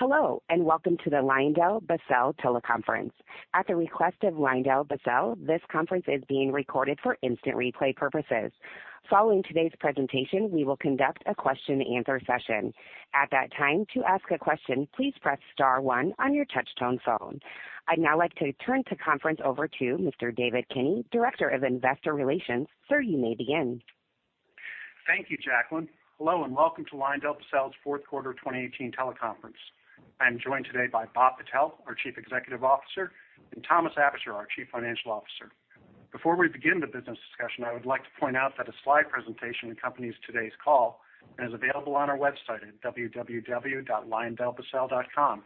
Hello, welcome to the LyondellBasell teleconference. At the request of LyondellBasell, this conference is being recorded for instant replay purposes. Following today's presentation, we will conduct a question and answer session. At that time, to ask a question, please press star one on your touch-tone phone. I'd now like to turn the conference over to Mr. David Kinney, Director of Investor Relations. Sir, you may begin. Thank you, Jacqueline. Hello, welcome to LyondellBasell's fourth quarter 2018 teleconference. I'm joined today by Bob Patel, our Chief Executive Officer, and Thomas Aebischer, our Chief Financial Officer. Before we begin the business discussion, I would like to point out that a slide presentation accompanies today's call and is available on our website at www.lyondellbasell.com.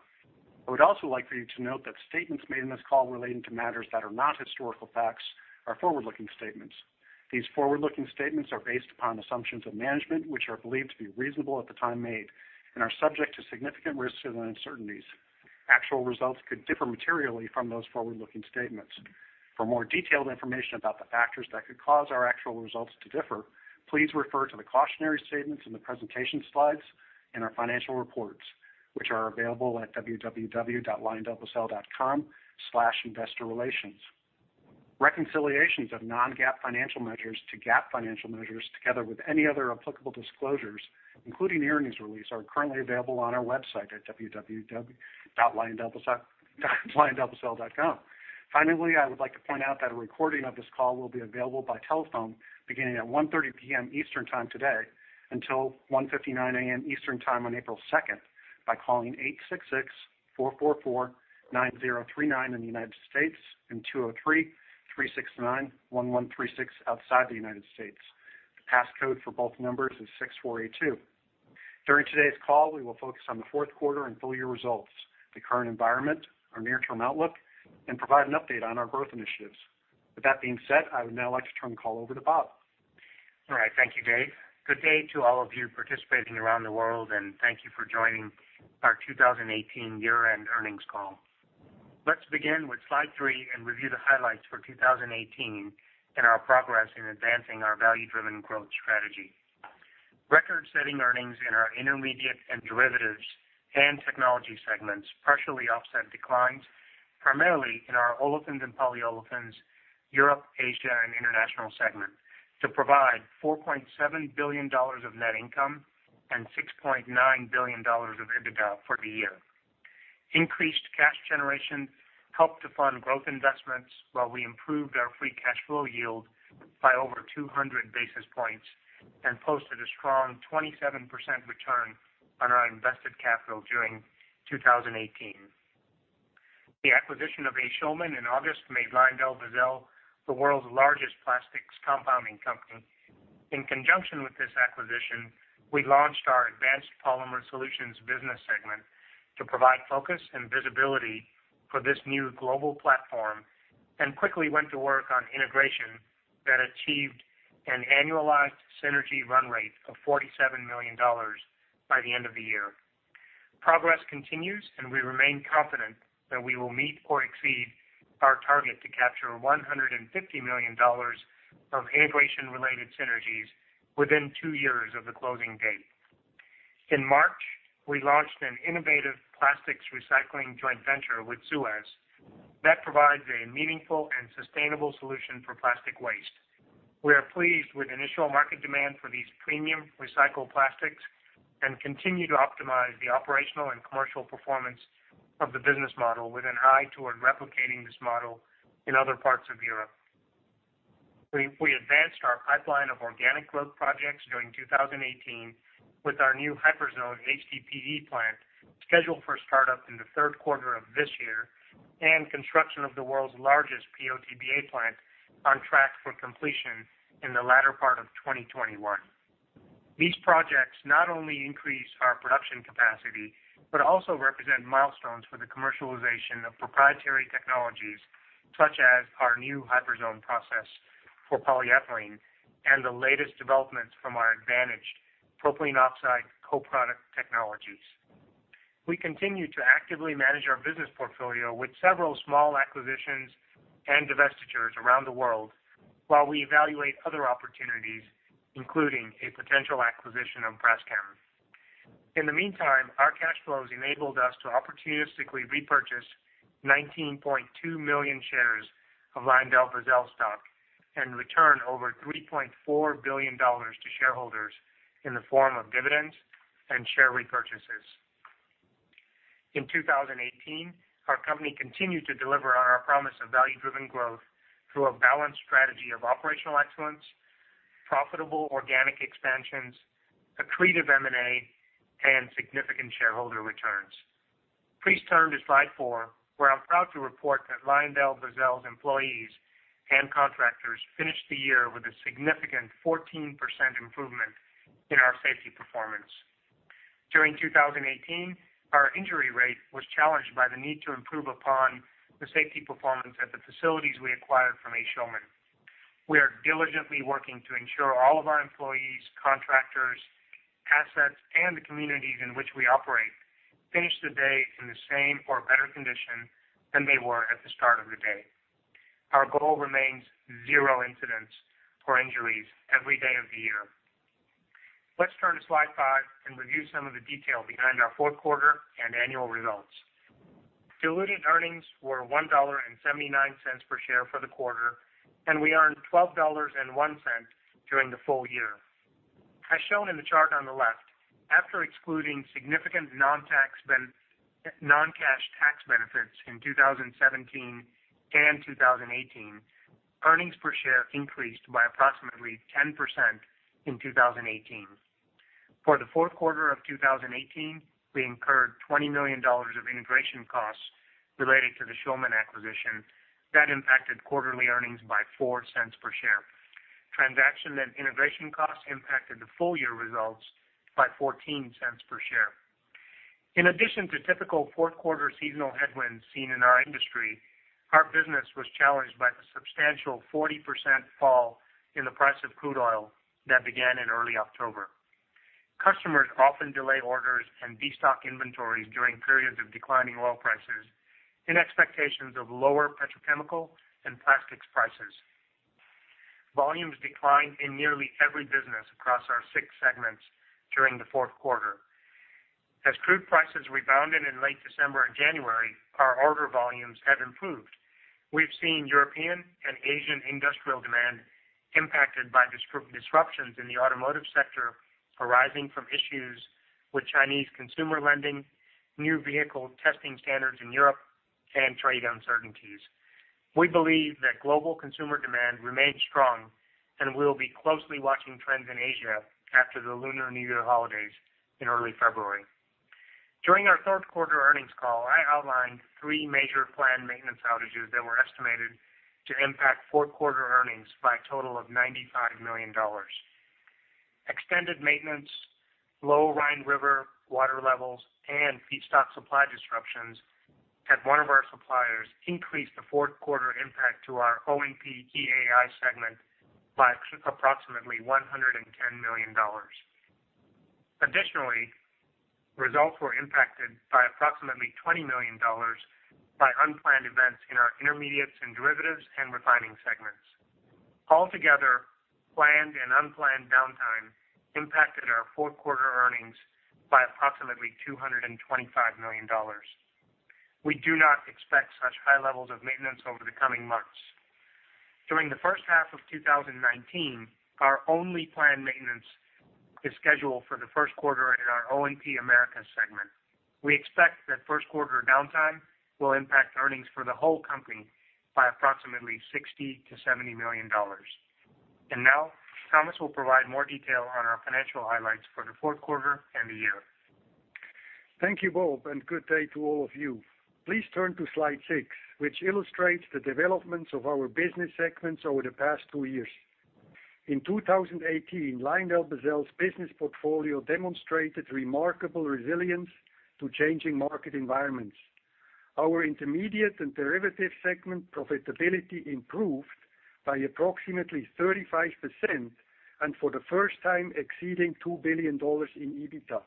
I would also like for you to note that statements made in this call relating to matters that are not historical facts are forward-looking statements. These forward-looking statements are based upon assumptions of management, which are believed to be reasonable at the time made and are subject to significant risks and uncertainties. Actual results could differ materially from those forward-looking statements. For more detailed information about the factors that could cause our actual results to differ, please refer to the cautionary statements in the presentation slides and our financial reports, which are available at www.lyondellbasell.com/investorrelations. Reconciliations of non-GAAP financial measures to GAAP financial measures, together with any other applicable disclosures, including the earnings release, are currently available on our website at www.lyondellbasell.com. Finally, I would like to point out that a recording of this call will be available by telephone beginning at 1:30 P.M. Eastern Time today until 1:59 A.M. Eastern Time on April 2nd by calling 866-444-9039 in the United States and 203-369-1136 outside the United States. The pass code for both numbers is 6482. During today's call, we will focus on the fourth quarter and full year results, the current environment, our near-term outlook, and provide an update on our growth initiatives. With that being said, I would now like to turn the call over to Bob. All right. Thank you, Dave. Good day to all of you participating around the world, and thank you for joining our 2018 year-end earnings call. Let's begin with slide three and review the highlights for 2018 and our progress in advancing our value-driven growth strategy. Record-setting earnings in our Intermediates & Derivatives and technology segments partially offset declines, primarily in our Olefins & Polyolefins – Europe, Asia, International segment, to provide $4.7 billion of net income and $6.9 billion of EBITDA for the year. Increased cash generation helped to fund growth investments while we improved our free cash flow yield by over 200 basis points and posted a strong 27% return on our invested capital during 2018. The acquisition of A. Schulman in August made LyondellBasell the world's largest plastics compounding company. In conjunction with this acquisition, we launched our Advanced Polymer Solutions business segment to provide focus and visibility for this new global platform and quickly went to work on integration that achieved an annualized synergy run rate of $47 million by the end of the year. Progress continues, and we remain confident that we will meet or exceed our target to capture $150 million of integration-related synergies within two years of the closing date. In March, we launched an innovative plastics recycling joint venture with SUEZ that provides a meaningful and sustainable solution for plastic waste. We are pleased with initial market demand for these premium recycled plastics and continue to optimize the operational and commercial performance of the business model with an eye toward replicating this model in other parts of Europe. We advanced our pipeline of organic growth projects during 2018 with our new Hyperzone HDPE plant scheduled for startup in the third quarter of this year and construction of the world's largest PO/TBA plant on track for completion in the latter part of 2021. These projects not only increase our production capacity but also represent milestones for the commercialization of proprietary technologies such as our new Hyperzone process for polyethylene and the latest developments from our advantage propylene oxide co-product technologies. We continue to actively manage our business portfolio with several small acquisitions and divestitures around the world while we evaluate other opportunities, including a potential acquisition of Braskem. In the meantime, our cash flows enabled us to opportunistically repurchase 19.2 million shares of LyondellBasell stock and return over $3.4 billion to shareholders in the form of dividends and share repurchases. In 2018, our company continued to deliver on our promise of value-driven growth through a balanced strategy of operational excellence, profitable organic expansions, accretive M&A, and significant shareholder returns. Please turn to slide four, where I'm proud to report that LyondellBasell's employees and contractors finished the year with a significant 14% improvement in our safety performance. During 2018, our injury rate was challenged by the need to improve upon the safety performance at the facilities we acquired from A. Schulman. We are diligently working to ensure all of our employees, contractors, assets, and the communities in which we operate finish the day in the same or better condition than they were at the start of the day. Our goal remains zero incidents or injuries every day of the year. Let's turn to slide five and review some of the detail behind our fourth quarter and annual results. Diluted earnings were $1.79 per share for the quarter, and we earned $12.01 during the full year. As shown in the chart on the left, after excluding significant non-cash tax benefits in 2017 and 2018, earnings per share increased by approximately 10% in 2018. For the fourth quarter of 2018, we incurred $20 million of integration costs related to the Schulman acquisition that impacted quarterly earnings by $0.04 per share. Transaction and integration costs impacted the full year results by $0.14 per share. In addition to typical fourth quarter seasonal headwinds seen in our industry, our business was challenged by the substantial 40% fall in the price of crude oil that began in early October. Customers often delay orders and destock inventories during periods of declining oil prices in expectations of lower petrochemical and plastics prices. Volumes declined in nearly every business across our six segments during the fourth quarter. As crude prices rebounded in late December and January, our order volumes have improved. We've seen European and Asian industrial demand impacted by disruptions in the automotive sector arising from issues with Chinese consumer lending, new vehicle testing standards in Europe, and trade uncertainties. We believe that global consumer demand remains strong, and we'll be closely watching trends in Asia after the Lunar New Year holidays in early February. During our third quarter earnings call, I outlined three major planned maintenance outages that were estimated to impact fourth quarter earnings by a total of $95 million. Extended maintenance, low Rhine River water levels, and feedstock supply disruptions at one of our suppliers increased the fourth quarter impact to our O&P-EAI segment by approximately $110 million. Results were impacted by approximately $20 million by unplanned events in our Intermediates & Derivatives and refining segments. Planned and unplanned downtime impacted our fourth quarter earnings by approximately $225 million. We do not expect such high levels of maintenance over the coming months. During the first half of 2019, our only planned maintenance is scheduled for the first quarter at our O&P-Americas segment. We expect that first quarter downtime will impact earnings for the whole company by approximately $60 million-$70 million. Now, Thomas will provide more detail on our financial highlights for the fourth quarter and the year. Thank you, Bob, good day to all of you. Please turn to slide six, which illustrates the developments of our business segments over the past two years. In 2018, LyondellBasell's business portfolio demonstrated remarkable resilience to changing market environments. Our Intermediates & Derivatives segment profitability improved by approximately 35% for the first time exceeding $2 billion in EBITDA.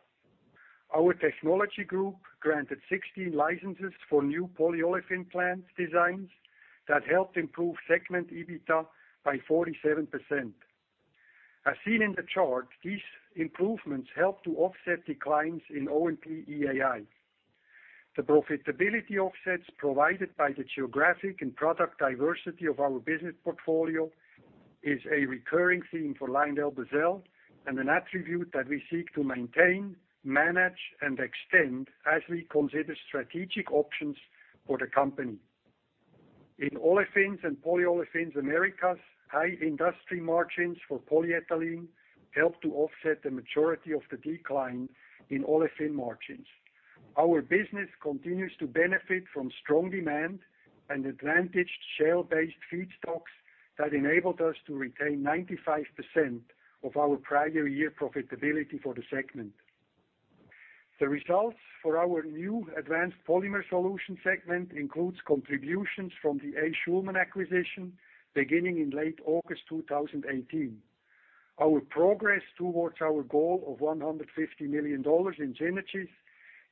Our technology group granted 16 licenses for new polyolefin plant designs that helped improve segment EBITDA by 47%. As seen in the chart, these improvements help to offset declines in O&P-EAI. The profitability offsets provided by the geographic and product diversity of our business portfolio is a recurring theme for LyondellBasell and an attribute that we seek to maintain, manage, and extend as we consider strategic options for the company. In Olefins & Polyolefins Americas, high industry margins for polyethylene help to offset the majority of the decline in olefin margins. Our business continues to benefit from strong demand and advantaged shale-based feedstocks that enabled us to retain 95% of our prior year profitability for the segment. The results for our new Advanced Polymer Solutions segment includes contributions from the A. Schulman acquisition beginning in late August 2018. Our progress towards our goal of $150 million in synergies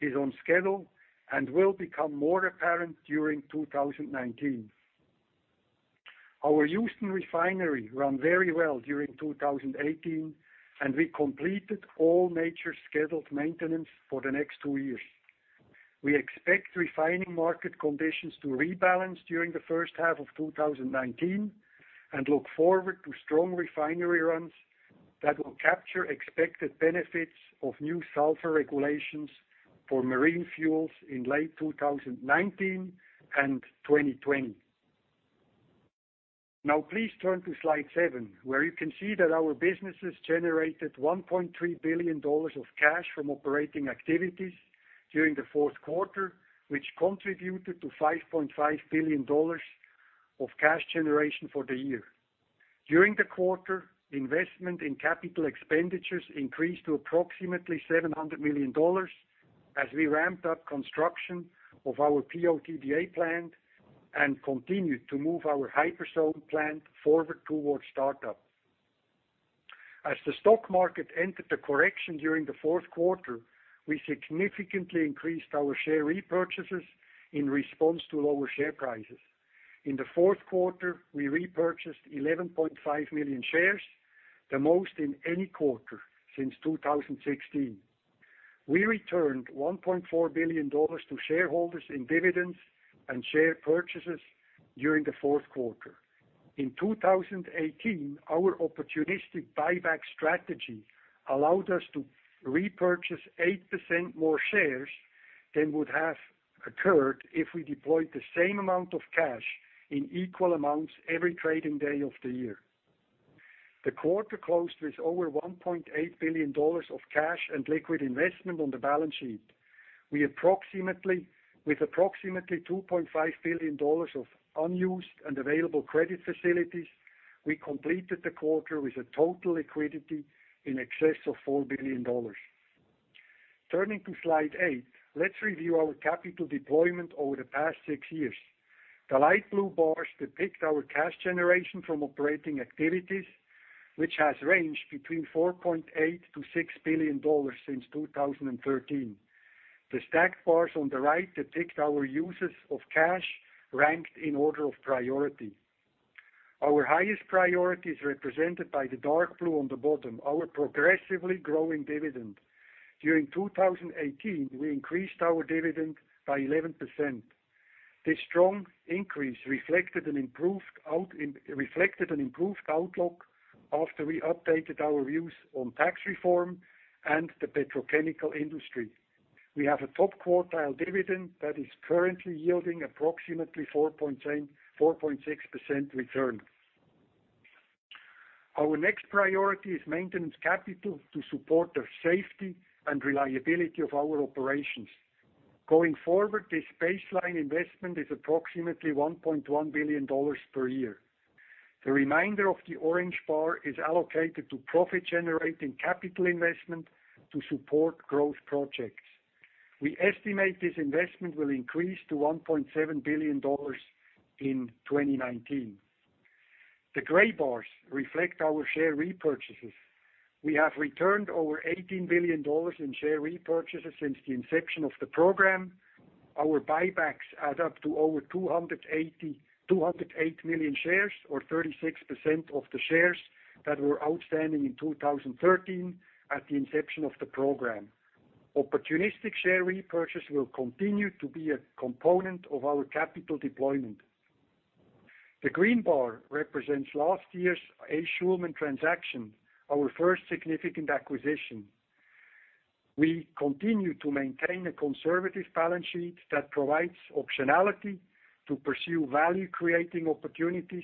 is on schedule and will become more apparent during 2019. Our Houston refinery ran very well during 2018, and we completed all major scheduled maintenance for the next two years. We expect refining market conditions to rebalance during the first half of 2019 and look forward to strong refinery runs that will capture expected benefits of new sulfur regulations for marine fuels in late 2019 and 2020. Now please turn to slide seven, where you can see that our businesses generated $1.3 billion of cash from operating activities during the fourth quarter, which contributed to $5.5 billion of cash generation for the year. During the quarter, investment in capital expenditures increased to approximately $700 million as we ramped up construction of our PO/TBA plant and continued to move our Hyperzone plant forward towards startup. As the stock market entered the correction during the fourth quarter, we significantly increased our share repurchases in response to lower share prices. In the fourth quarter, we repurchased 11.5 million shares, the most in any quarter since 2016. We returned $1.4 billion to shareholders in dividends and share purchases during the fourth quarter. In 2018, our opportunistic buyback strategy allowed us to repurchase 8% more shares than would have occurred if we deployed the same amount of cash in equal amounts every trading day of the year. The quarter closed with over $1.8 billion of cash and liquid investment on the balance sheet. With approximately $2.5 billion of unused and available credit facilities, we completed the quarter with a total liquidity in excess of $4 billion. Turning to slide eight, let's review our capital deployment over the past six years. The light blue bars depict our cash generation from operating activities, which has ranged between $4.8 billion-$6 billion since 2013. The stacked bars on the right depict our uses of cash ranked in order of priority. Our highest priority is represented by the dark blue on the bottom, our progressively growing dividend. During 2018, we increased our dividend by 11%. This strong increase reflected an improved outlook after we updated our views on tax reform and the petrochemical industry. We have a top-quartile dividend that is currently yielding approximately 4.6% return. Our next priority is maintenance capital to support the safety and reliability of our operations. Going forward, this baseline investment is approximately $1.1 billion per year. The remainder of the orange bar is allocated to profit-generating capital investment to support growth projects. We estimate this investment will increase to $1.7 billion in 2019. The gray bars reflect our share repurchases. We have returned over $18 billion in share repurchases since the inception of the program. Our buybacks add up to over 208 million shares, or 36% of the shares that were outstanding in 2013 at the inception of the program. Opportunistic share repurchase will continue to be a component of our capital deployment. The green bar represents last year's A. Schulman transaction, our first significant acquisition. We continue to maintain a conservative balance sheet that provides optionality to pursue value-creating opportunities,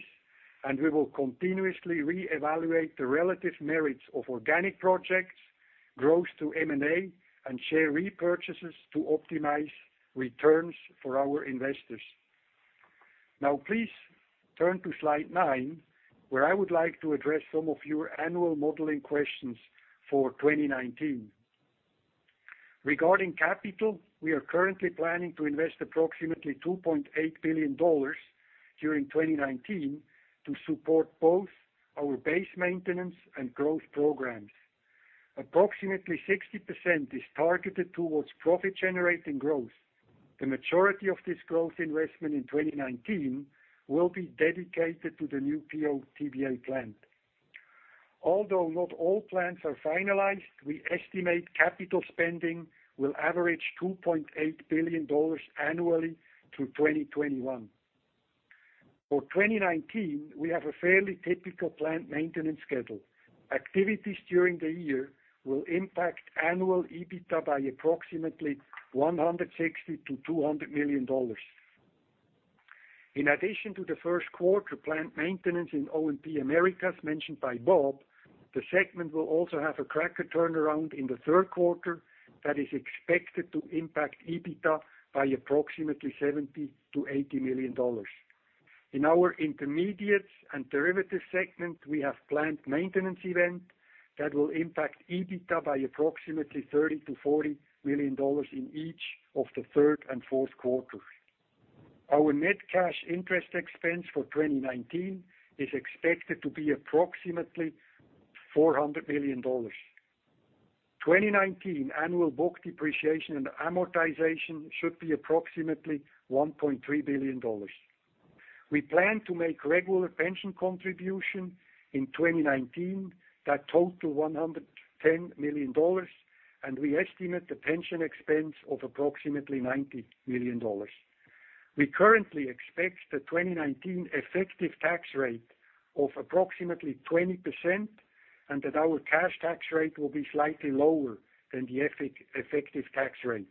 and we will continuously reevaluate the relative merits of organic projects, growth through M&A, and share repurchases to optimize returns for our investors. Please turn to slide nine, where I would like to address some of your annual modeling questions for 2019. Regarding capital, we are currently planning to invest approximately $2.8 billion during 2019 to support both our base maintenance and growth programs. Approximately 60% is targeted towards profit-generating growth. The majority of this growth investment in 2019 will be dedicated to the new PO/TBA plant. Although not all plans are finalized, we estimate capital spending will average $2.8 billion annually through 2021. For 2019, we have a fairly typical plant maintenance schedule. Activities during the year will impact annual EBITDA by approximately $160 million-$200 million. In addition to the first quarter plant maintenance in O&P-Americas mentioned by Bob, the segment will also have a cracker turnaround in the third quarter that is expected to impact EBITDA by approximately $70 million-$80 million. In our Intermediates & Derivatives segment, we have planned maintenance event that will impact EBITDA by approximately $30 million-$40 million in each of the third and fourth quarters. Our net cash interest expense for 2019 is expected to be approximately $400 million. 2019 annual book depreciation and amortization should be approximately $1.3 billion. We plan to make regular pension contribution in 2019 that total $110 million, and we estimate the pension expense of approximately $90 million. We currently expect the 2019 effective tax rate of approximately 20%, and that our cash tax rate will be slightly lower than the effective tax rate.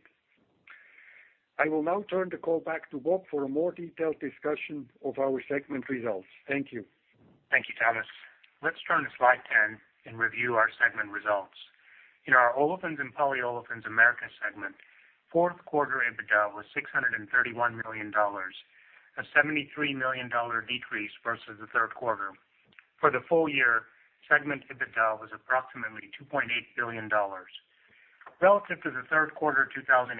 I will now turn the call back to Bob for a more detailed discussion of our segment results. Thank you. Thank you, Thomas. Let's turn to slide 10 and review our segment results. In our Olefins & Polyolefins Americas segment, fourth quarter EBITDA was $631 million, a $73 million decrease versus the third quarter. For the full year, segment EBITDA was approximately $2.8 billion. Relative to the third quarter 2018,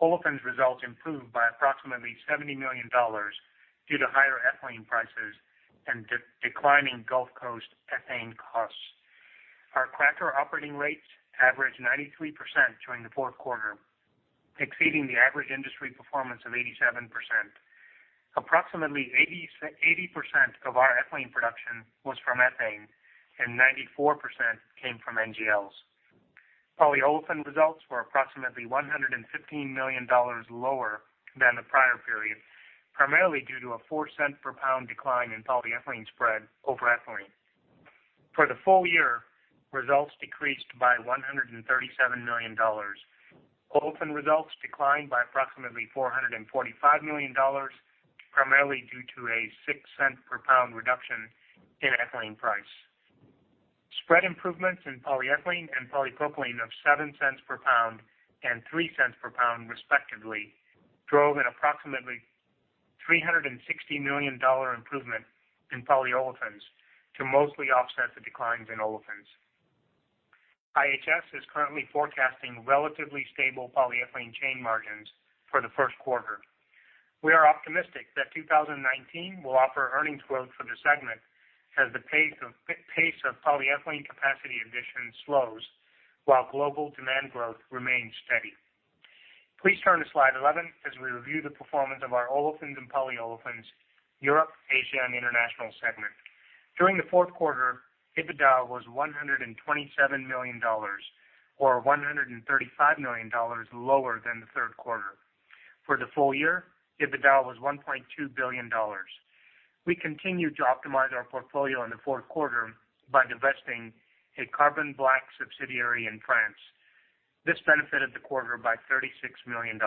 Olefins results improved by approximately $70 million due to higher ethylene prices and declining Gulf Coast ethane costs. Our cracker operating rates averaged 93% during the fourth quarter, exceeding the average industry performance of 87%. Approximately 80% of our ethylene production was from ethane, and 94% came from NGLs. Polyolefin results were approximately $115 million lower than the prior period, primarily due to a $0.04 per pound decline in polyethylene spread over ethylene. For the full year, results decreased by $137 million. Olefin results declined by approximately $445 million, primarily due to a $0.06 per pound reduction in ethylene price. Spread improvements in polyethylene and polypropylene of $0.07 per pound and $0.03 per pound, respectively, drove an approximately $360 million improvement in polyolefins to mostly offset the declines in olefins. IHS is currently forecasting relatively stable polyethylene chain margins for the first quarter. We are optimistic that 2019 will offer earnings growth for the segment as the pace of polyethylene capacity addition slows while global demand growth remains steady. Please turn to slide 11 as we review the performance of our Olefins & Polyolefins Europe, Asia, and International segment. During the fourth quarter, EBITDA was $127 million, or $135 million lower than the third quarter. For the full year, EBITDA was $1.2 billion. We continued to optimize our portfolio in the fourth quarter by divesting a carbon black subsidiary in France. This benefited the quarter by $36 million.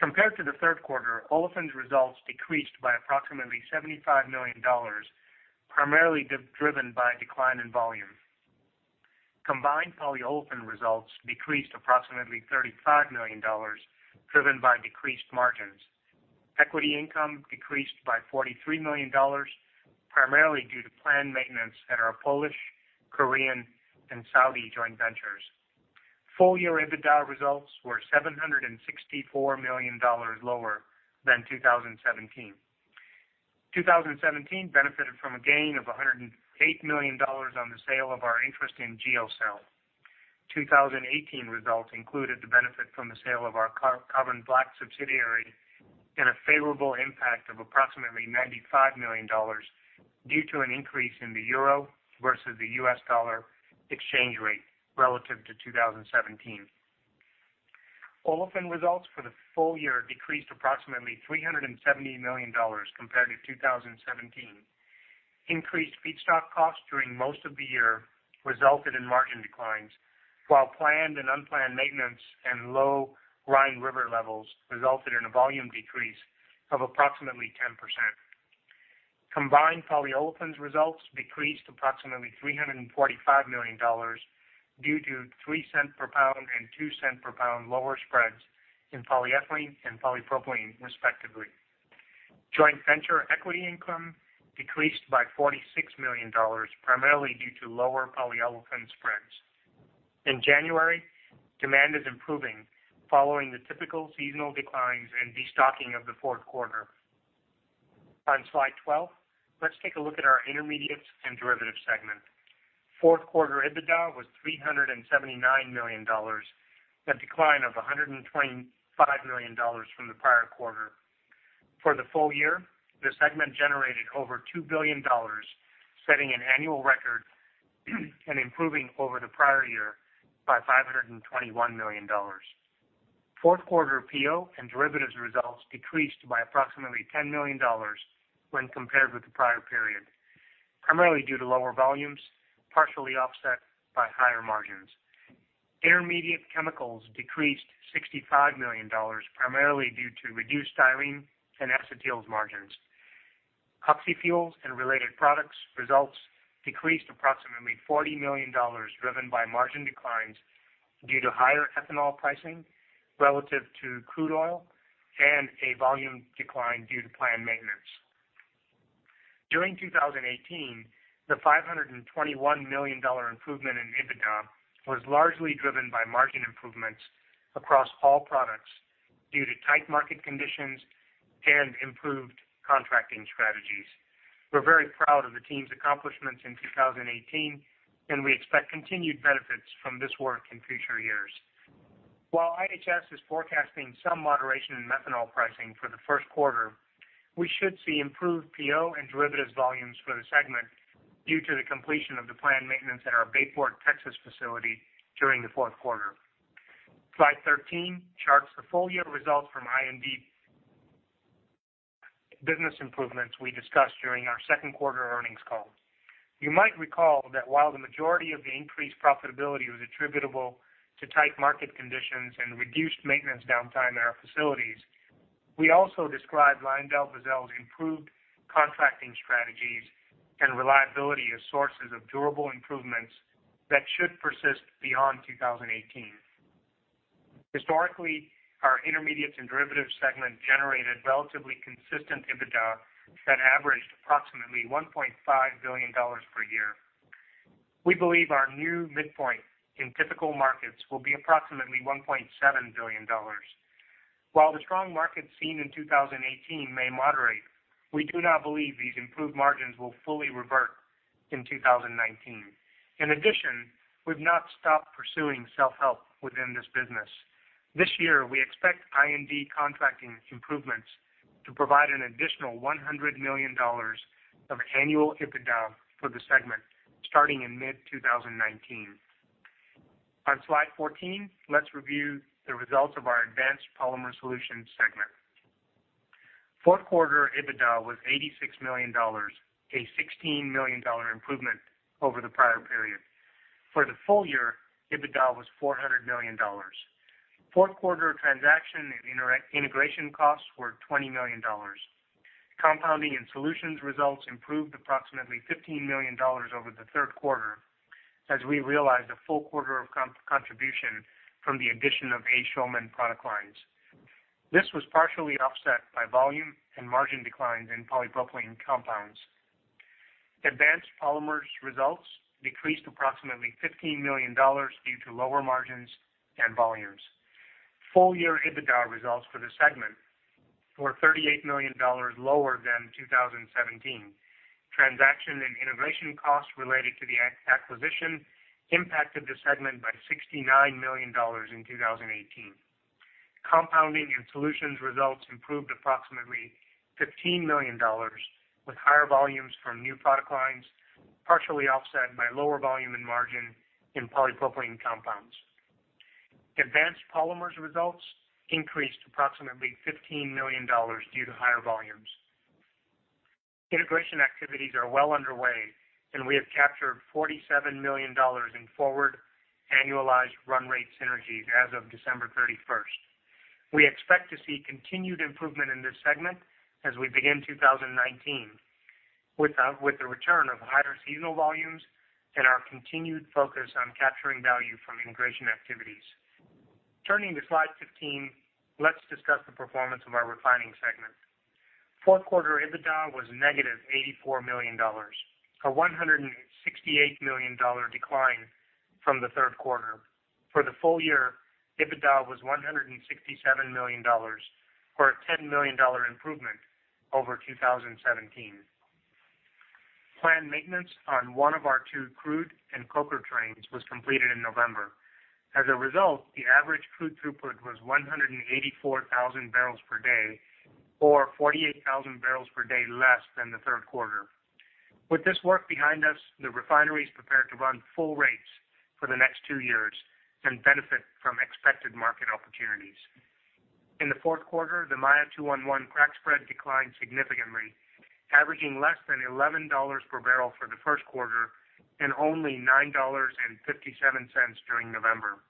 Compared to the third quarter, Olefins results decreased by approximately $75 million, primarily driven by a decline in volume. Combined polyolefin results decreased approximately $35 million, driven by decreased margins. Equity income decreased by $43 million, primarily due to planned maintenance at our Polish, Korean, and Saudi joint ventures. Full year EBITDA results were $764 million lower than 2017. 2017 benefited from a gain of $108 million on the sale of our interest in Geosel. 2018 results included the benefit from the sale of our carbon black subsidiary and a favorable impact of approximately $95 million due to an increase in the euro versus the U.S. dollar exchange rate relative to 2017. Increased feedstock costs during most of the year resulted in margin declines, while planned and unplanned maintenance and low Rhine River levels resulted in a volume decrease of approximately 10%. Combined polyolefins results decreased approximately $345 million due to $0.03 per pound and $0.02 per pound lower spreads in polyethylene and polypropylene, respectively. Joint venture equity income decreased by $46 million, primarily due to lower polyolefin spreads. In January, demand is improving following the typical seasonal declines and destocking of the fourth quarter. On slide 12, let's take a look at our Intermediates & Derivatives segment. Fourth quarter EBITDA was $379 million, a decline of $125 million from the prior quarter. For the full year, the segment generated over $2 billion, setting an annual record and improving over the prior year by $521 million. Fourth quarter PO and derivatives results decreased by approximately $10 million when compared with the prior period, primarily due to lower volumes, partially offset by higher margins. Intermediate chemicals decreased $65 million, primarily due to reduced styrene and acetyls margins. Oxy fuels and related products results decreased approximately $40 million, driven by margin declines due to higher ethanol pricing relative to crude oil and a volume decline due to planned maintenance. During 2018, the $521 million improvement in EBITDA was largely driven by margin improvements across all products due to tight market conditions and improved contracting strategies. We're very proud of the team's accomplishments in 2018. We expect continued benefits from this work in future years. While IHS is forecasting some moderation in methanol pricing for the first quarter, we should see improved PO and derivatives volumes for the segment due to the completion of the planned maintenance at our Bayport, Texas facility during the fourth quarter. Slide 13 charts the full year results from I&D business improvements we discussed during our second quarter earnings call. You might recall that while the majority of the increased profitability was attributable to tight market conditions and reduced maintenance downtime at our facilities, we also described LyondellBasell's improved contracting strategies and reliability as sources of durable improvements that should persist beyond 2018. Historically, our Intermediates & Derivatives segment generated relatively consistent EBITDA that averaged approximately $1.5 billion per year. We believe our new midpoint in typical markets will be approximately $1.7 billion. While the strong market seen in 2018 may moderate, we do not believe these improved margins will fully revert in 2019. In addition, we have not stopped pursuing self-help within this business. This year, we expect I&D contracting improvements to provide an additional $100 million of annual EBITDA for the segment, starting in mid-2019. On slide 14, let's review the results of our Advanced Polymer Solutions segment. Fourth quarter EBITDA was $86 million, a $16 million improvement over the prior period. For the full year, EBITDA was $400 million. Fourth quarter transaction and integration costs were $20 million. Compounding and solutions results improved approximately $15 million over the third quarter, as we realized a full quarter of contribution from the addition of A. Schulman product lines. This was partially offset by volume and margin declines in polypropylene compounds. Advanced Polymers results decreased approximately $15 million due to lower margins and volumes. Full-year EBITDA results for the segment were $38 million lower than 2017. Transaction and integration costs related to the acquisition impacted the segment by $69 million in 2018. Compounding and solutions results improved approximately $15 million, with higher volumes from new product lines, partially offset by lower volume and margin in polypropylene compounds. Advanced Polymers results increased approximately $15 million due to higher volumes. Integration activities are well underway, and we have captured $47 million in forward annualized run rate synergies as of December 31st. We expect to see continued improvement in this segment as we begin 2019 with the return of higher seasonal volumes and our continued focus on capturing value from integration activities. Turning to slide 15, let's discuss the performance of our refining segment. Fourth quarter EBITDA was negative $84 million, a $168 million decline from the third quarter. For the full year, EBITDA was $167 million, or a $10 million improvement over 2017. Planned maintenance on one of our two crude and coker trains was completed in November. As a result, the average crude throughput was 184,000 bbl per day, or 48,000 bbl per day less than the third quarter. With this work behind us, the refinery is prepared to run full rates for the next two years and benefit from expected market opportunities. In the fourth quarter, the Maya 2-1-1 crack spread declined significantly, averaging less than $11 per barrel for the first quarter and only $9.57 during November.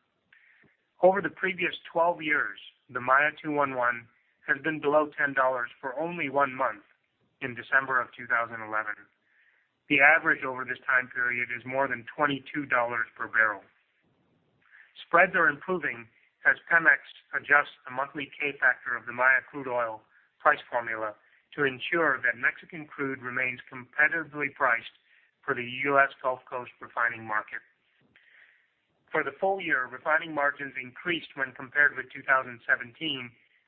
Over the previous 12 years, the Maya 2-1-1 has been below $10 for only one month, in December of 2011. The average over this time period is more than $22 per barrel. Spreads are improving as Pemex adjusts the monthly K factor of the Maya crude oil price formula to ensure that Mexican crude remains competitively priced for the U.S. Gulf Coast refining market. For the full year, refining margins increased when compared with 2017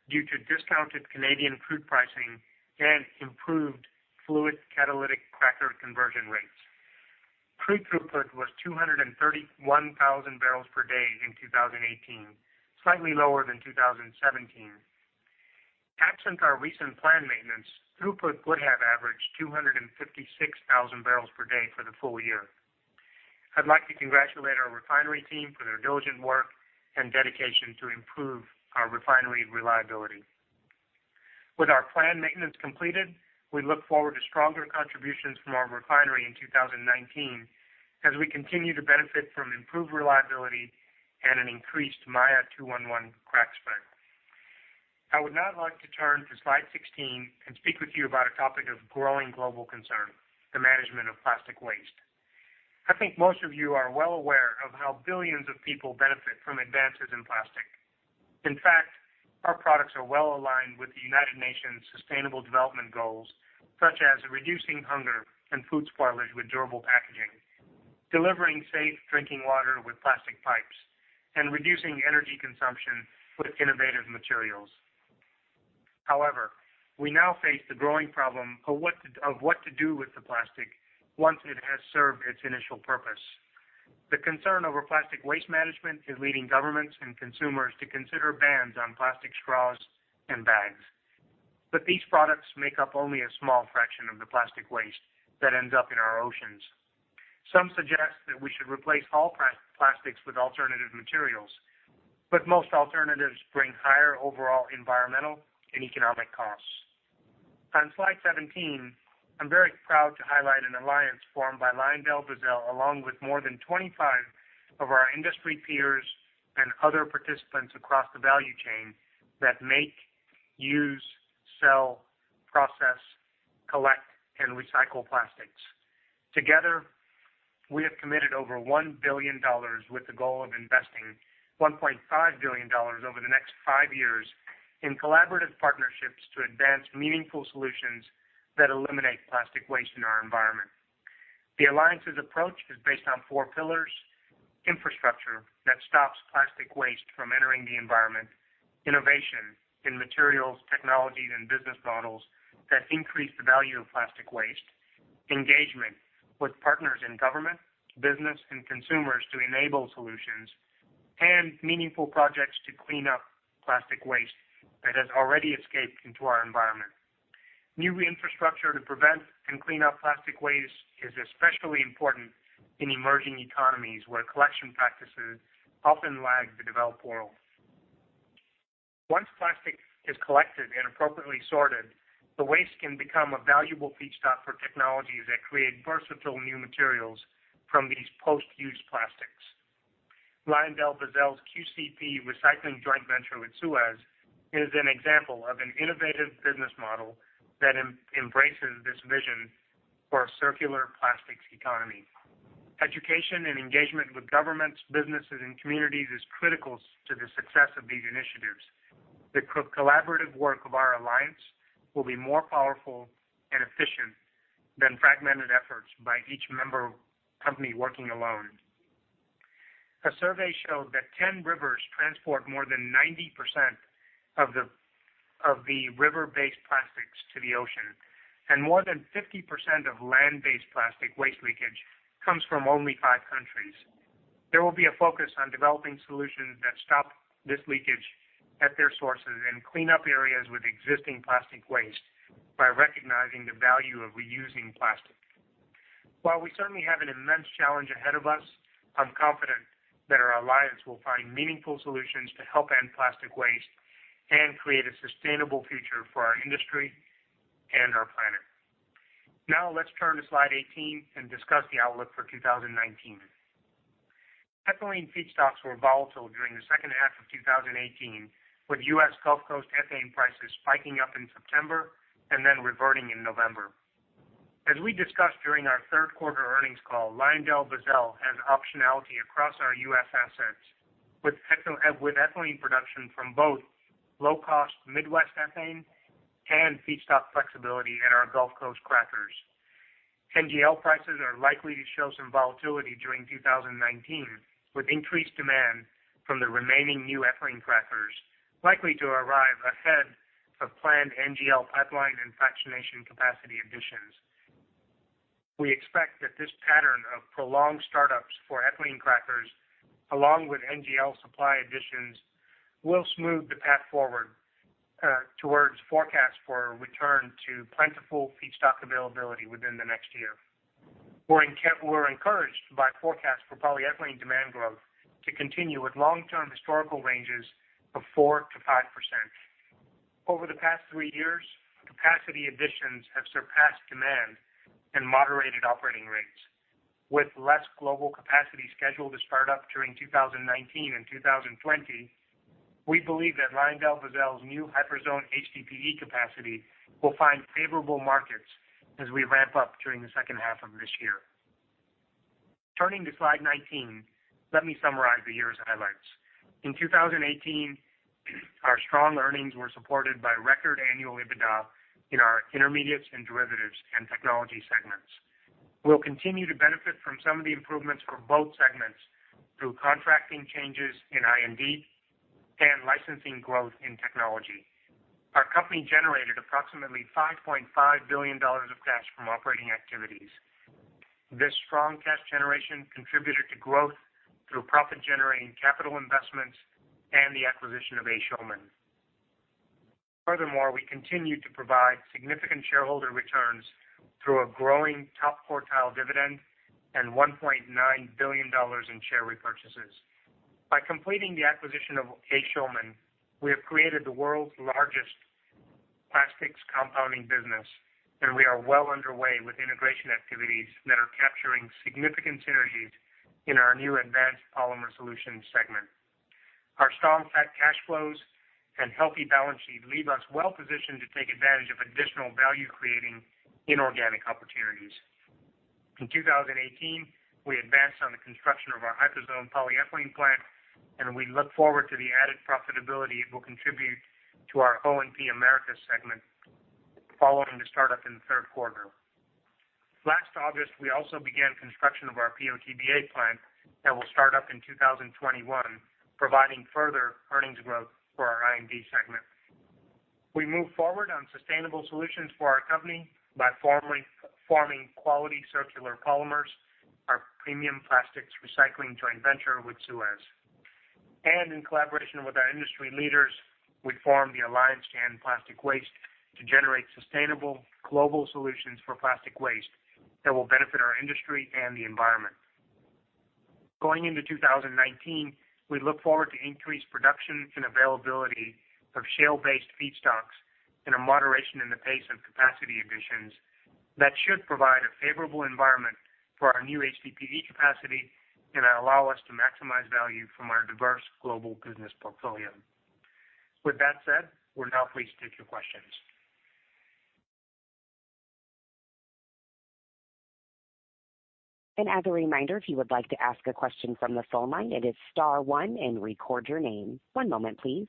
due to discounted Canadian crude pricing and improved fluid catalytic cracker conversion rates. Crude throughput was 231,000 bbls per day in 2018, slightly lower than 2017. Absent our recent planned maintenance, throughput would have averaged 256,000 bbl per day for the full year. I'd like to congratulate our refinery team for their diligent work and dedication to improve our refinery reliability. With our planned maintenance completed, we look forward to stronger contributions from our refinery in 2019 as we continue to benefit from improved reliability and an increased Maya 2-1-1 crack spread. I would now like to turn to slide 16 and speak with you about a topic of growing global concern, the management of plastic waste. I think most of you are well aware of how billions of people benefit from advances in plastic. In fact, our products are well aligned with the United Nations Sustainable Development Goals, such as reducing hunger and food spoilage with durable packaging, delivering safe drinking water with plastic pipes, and reducing energy consumption with innovative materials. However, we now face the growing problem of what to do with the plastic once it has served its initial purpose. The concern over plastic waste management is leading governments and consumers to consider bans on plastic straws and bags. These products make up only a small fraction of the plastic waste that ends up in our oceans. Some suggest that we should replace all plastics with alternative materials, but most alternatives bring higher overall environmental and economic costs. On slide 17, I'm very proud to highlight an Alliance formed by LyondellBasell, along with more than 25 of our industry peers and other participants across the value chain that make, use, sell, process, collect, and recycle plastics. Together, we have committed over $1 billion with the goal of investing $1.5 billion over the next five years in collaborative partnerships to advance meaningful solutions that eliminate plastic waste in our environment. The Alliance's approach is based on four pillars. Infrastructure that stops plastic waste from entering the environment. Innovation in materials, technologies, and business models that increase the value of plastic waste. Engagement with partners in government, business, and consumers to enable solutions. Meaningful projects to clean up plastic waste that has already escaped into our environment. New infrastructure to prevent and clean up plastic waste is especially important in emerging economies, where collection practices often lag the developed world. Once plastic is collected and appropriately sorted, the waste can become a valuable feedstock for technologies that create versatile new materials from these post-use plastics. LyondellBasell's QCP recycling joint venture with SUEZ is an example of an innovative business model that embraces this vision for a circular plastics economy. Education and engagement with governments, businesses, and communities is critical to the success of these initiatives. The collaborative work of our Alliance will be more powerful and efficient than fragmented efforts by each member company working alone. A survey showed that 10 rivers transport more than 90% of the river-based plastics to the ocean, and more than 50% of land-based plastic waste leakage comes from only five countries. There will be a focus on developing solutions that stop this leakage at their sources and clean up areas with existing plastic waste by recognizing the value of reusing plastic. While we certainly have an immense challenge ahead of us, I'm confident that our Alliance will find meaningful solutions to help end plastic waste and create a sustainable future for our industry and our planet. Now let's turn to slide 18 and discuss the outlook for 2019. Ethylene feedstocks were volatile during the second half of 2018, with U.S. Gulf Coast ethane prices spiking up in September and then reverting in November. As we discussed during our third quarter earnings call, LyondellBasell has optionality across our U.S. assets with ethylene production from both low-cost Midwest ethane and feedstock flexibility at our Gulf Coast crackers. NGL prices are likely to show some volatility during 2019, with increased demand from the remaining new ethylene crackers likely to arrive ahead of planned NGL pipeline and fractionation capacity additions. We expect that this pattern of prolonged startups for ethylene crackers, along with NGL supply additions, will smooth the path forward towards forecasts for a return to plentiful feedstock availability within the next year. We're encouraged by forecasts for polyethylene demand growth to continue with long-term historical ranges of 4%-5%. Over the past three years, capacity additions have surpassed demand and moderated operating rates. With less global capacity scheduled to start up during 2019 and 2020, we believe that LyondellBasell's new Hyperzone HDPE capacity will find favorable markets as we ramp up during the second half of this year. Turning to slide 19, let me summarize the year's highlights. In 2018, our strong earnings were supported by record annual EBITDA in our Intermediates & Derivatives and Technology segments. We'll continue to benefit from some of the improvements for both segments through contracting changes in I&D and licensing growth in Technology. Our company generated approximately $5.5 billion of cash from operating activities. This strong cash generation contributed to growth through profit-generating capital investments and the acquisition of A. Schulman. Furthermore, we continue to provide significant shareholder returns through a growing top quartile dividend and $1.9 billion in share repurchases. By completing the acquisition of A. Schulman, we have created the world's largest plastics compounding business, and we are well underway with integration activities that are capturing significant synergies in our new Advanced Polymer Solutions segment. Our strong cash flows and healthy balance sheet leave us well-positioned to take advantage of additional value-creating inorganic opportunities. In 2018, we advanced on the construction of our Hyperzone polyethylene plant, and we look forward to the added profitability it will contribute to our O&P Americas segment following the startup in the third quarter. Last August, we also began construction of our PO/TBA plant that will start up in 2021, providing further earnings growth for our I&D segment. We move forward on sustainable solutions for our company by forming Quality Circular Polymers, our premium plastics recycling joint venture with SUEZ. In collaboration with our industry leaders, we formed the Alliance to End Plastic Waste to generate sustainable global solutions for plastic waste that will benefit our industry and the environment. Going into 2019, we look forward to increased production and availability of shale-based feedstocks and a moderation in the pace of capacity additions that should provide a favorable environment for our new HDPE capacity and allow us to maximize value from our diverse global business portfolio. With that said, we're now pleased to take your questions. As a reminder, if you would like to ask a question from the phone line, it is star one and record your name. One moment please.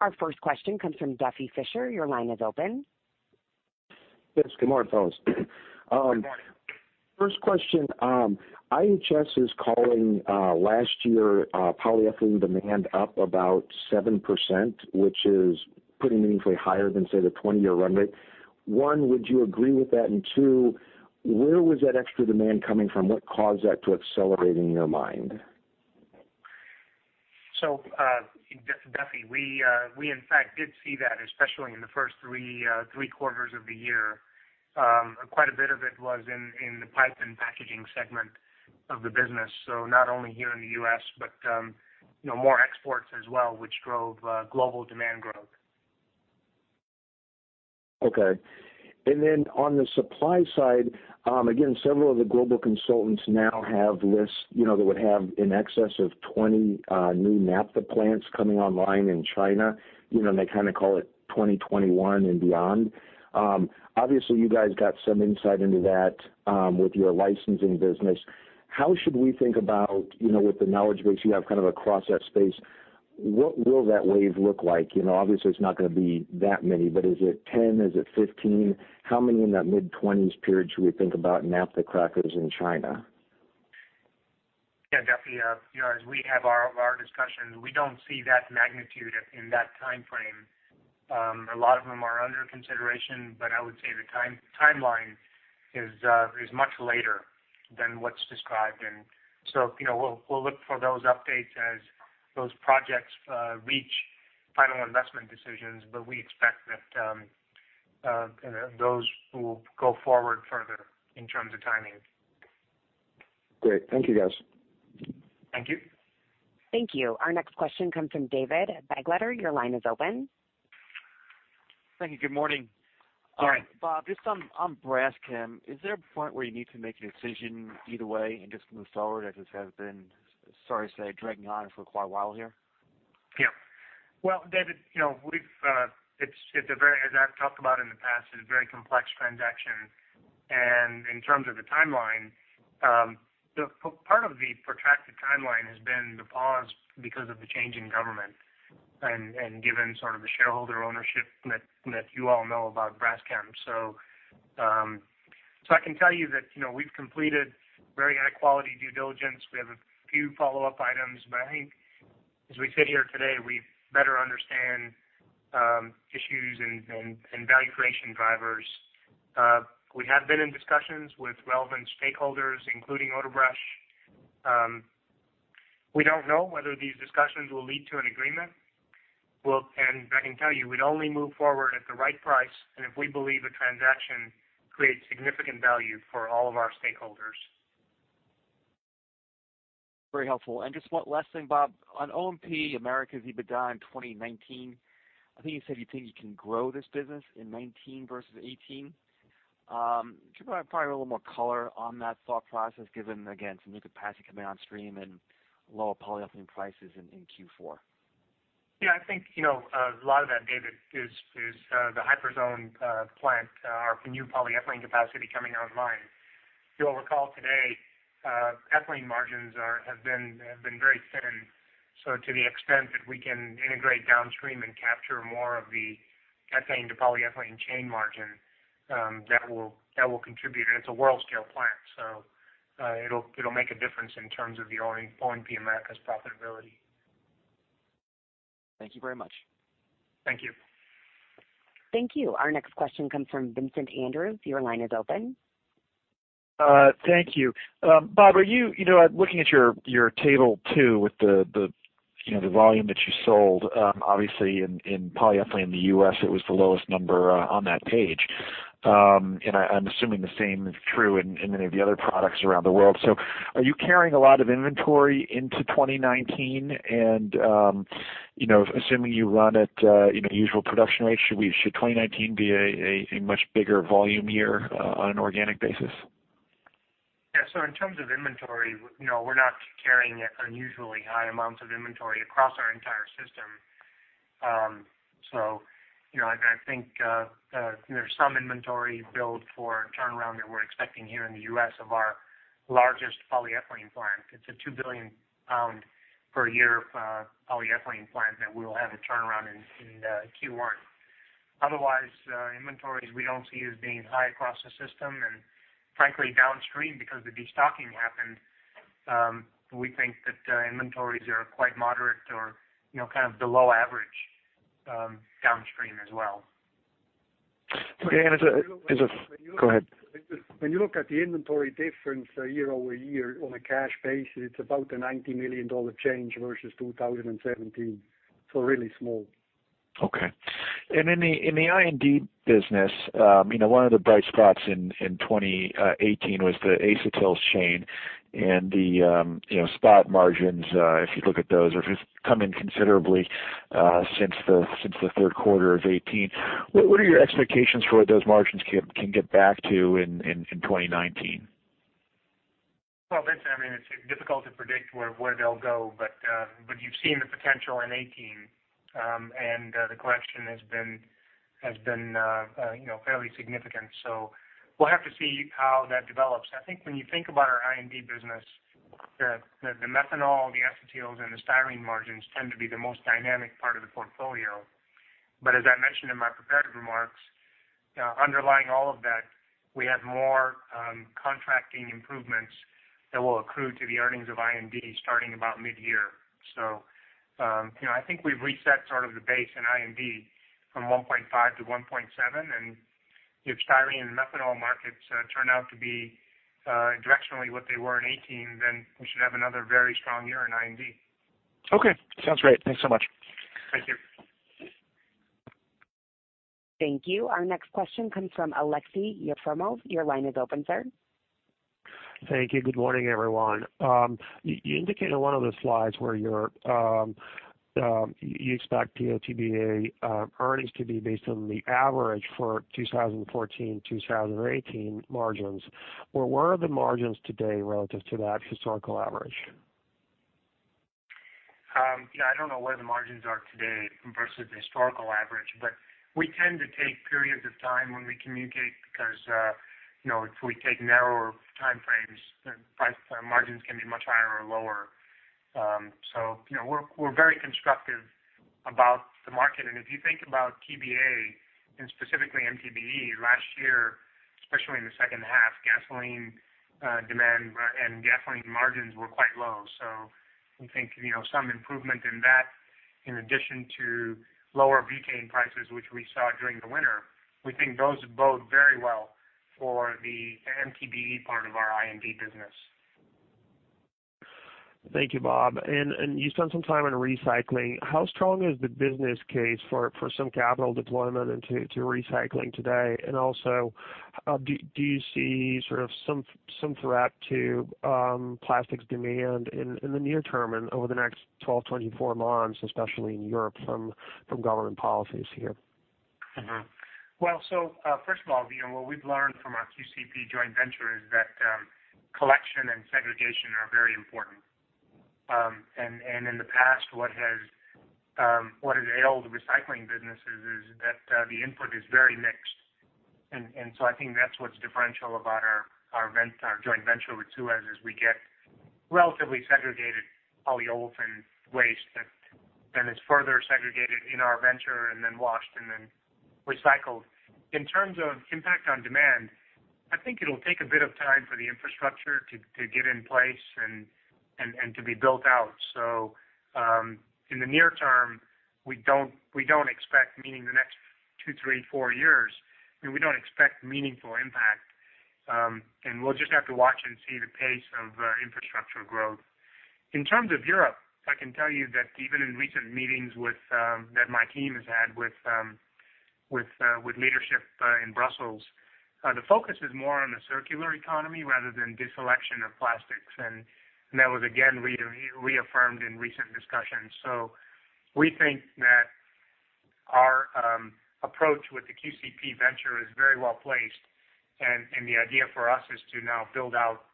Our first question comes from Duffy Fischer. Your line is open. Yes. Good morning, folks. Good morning. First question. IHS is calling last year polyethylene demand up about 7%, which is pretty meaningfully higher than, say, the 20-year run rate. One, would you agree with that? Two, where was that extra demand coming from? What caused that to accelerate in your mind? Duffy, we in fact did see that, especially in the first three quarters of the year. Quite a bit of it was in the pipe and packaging segment of the business. Not only here in the U.S. but more exports as well, which drove global demand growth. Okay. Then on the supply side, again, several of the global consultants now have lists that would have in excess of 20 new naphtha plants coming online in China. They kind of call it 2021 and beyond. Obviously, you guys got some insight into that with your licensing business. How should we think about with the knowledge base you have kind of across that space, what will that wave look like? Obviously, it's not going to be that many, but is it 10? Is it 15? How many in that mid-20s period should we think about naphtha crackers in China? Yeah, Duffy, as we have our discussions, we don't see that magnitude in that timeframe. A lot of them are under consideration, but I would say the timeline is much later than what's described. We'll look for those updates as those projects reach final investment decisions. We expect that those will go forward further in terms of timing. Great. Thank you, guys. Thank you. Thank you. Our next question comes from David Begleiter. Your line is open. Thank you. Good morning. Hi. Bob, just on Braskem, is there a point where you need to make a decision either way and just move forward, as this has been, sorry to say, dragging on for quite a while here? Well, David, as I've talked about in the past, it's a very complex transaction. In terms of the timeline, part of the protracted timeline has been the pause because of the change in government and given sort of the shareholder ownership that you all know about Braskem. I can tell you that we've completed very high-quality due diligence. We have a few follow-up items, but I think as we sit here today, we better understand issues and value creation drivers. We have been in discussions with relevant stakeholders, including Odebrecht. We don't know whether these discussions will lead to an agreement. Well, I can tell you, we'd only move forward at the right price, and if we believe a transaction creates significant value for all of our stakeholders. Very helpful. Just one last thing, Bob. On O&P-Americas EBITDA in 2019, I think you said you think you can grow this business in 2019 versus 2018. Can you provide probably a little more color on that thought process, given, again, some new capacity coming on stream and lower polyethylene prices in Q4? I think a lot of that, David, is the Hyperzone plant, our new polyethylene capacity coming online. You'll recall today, ethylene margins have been very thin. To the extent that we can integrate downstream and capture more of the ethane to polyethylene chain margin, that will contribute. It's a world-scale plant, so it'll make a difference in terms of the O&P-Americas profitability. Thank you very much. Thank you. Thank you. Our next question comes from Vincent Andrews. Your line is open. Thank you. Bob, looking at your table two with the volume that you sold, obviously in polyethylene in the U.S., it was the lowest number on that page. I'm assuming the same is true in many of the other products around the world. Are you carrying a lot of inventory into 2019? Assuming you run at usual production rates, should 2019 be a much bigger volume year on an organic basis? In terms of inventory, we're not carrying unusually high amounts of inventory across our entire system. I think there's some inventory build for turnaround that we're expecting here in the U.S. of our largest polyethylene plant. It's a 2 billion pound per year polyethylene plant that we will have a turnaround in Q1. Otherwise, inventories we don't see as being high across the system. Frankly, downstream because the destocking happened, we think that inventories are quite moderate or kind of below average downstream as well. Okay. Go ahead. When you look at the inventory difference year-over-year on a cash basis, it's about a $90 million change versus 2017. Really small. Okay. In the I&D business, one of the bright spots in 2018 was the acetals chain and the spot margins, if you look at those, have just come in considerably since the third quarter of 2018. What are your expectations for what those margins can get back to in 2019? Well, Vincent, it's difficult to predict where they'll go. We've seen the potential in 2018. The collection has been fairly significant. We'll have to see how that develops. I think when you think about our I&D business, the methanol, the acetyls, and the styrene margins tend to be the most dynamic part of the portfolio. As I mentioned in my prepared remarks, underlying all of that, we have more contracting improvements that will accrue to the earnings of I&D starting about mid-year. I think we've reset sort of the base in I&D from 1.5 to 1.7, if styrene and methanol markets turn out to be directionally what they were in 2018, then we should have another very strong year in I&D. Okay. Sounds great. Thanks so much. Thank you. Thank you. Our next question comes from Aleksey Yefremov. Your line is open, sir. Thank you. Good morning, everyone. You indicated in one of the slides where you expect PO/TBA earnings to be based on the average for 2014-2018 margins. Where were the margins today relative to that historical average? I don't know where the margins are today versus the historical average. We tend to take periods of time when we communicate because if we take narrower time frames, price margins can be much higher or lower. We're very constructive about the market. If you think about TBA, and specifically MTBE last year, especially in the second half, gasoline demand and gasoline margins were quite low. We think, some improvement in that in addition to lower butane prices, which we saw during the winter, we think those bode very well for the MTBE part of our I&D business. Thank you, Bob. You spent some time on recycling. How strong is the business case for some capital deployment into recycling today? Also, do you see sort of some threat to plastics demand in the near term and over the next 12 months, 24 months, especially in Europe from government policies here? First of all, what we've learned from our QCP joint venture is that collection and segregation are very important. In the past, what has ailed recycling businesses is that the input is very mixed. I think that's what's differential about our joint venture with SUEZ is we get relatively segregated polyolefin waste that then is further segregated in our venture and then washed and then recycled. In terms of impact on demand, I think it'll take a bit of time for the infrastructure to get in place and to be built out. In the near term, we don't expect, meaning the next two, three, four years, we don't expect meaningful impact. We'll just have to watch and see the pace of infrastructure growth. In terms of Europe, I can tell you that even in recent meetings that my team has had with leadership in Brussels, the focus is more on the circular economy rather than deselection of plastics. That was again reaffirmed in recent discussions. We think that our approach with the QCP venture is very well-placed. The idea for us is to now build out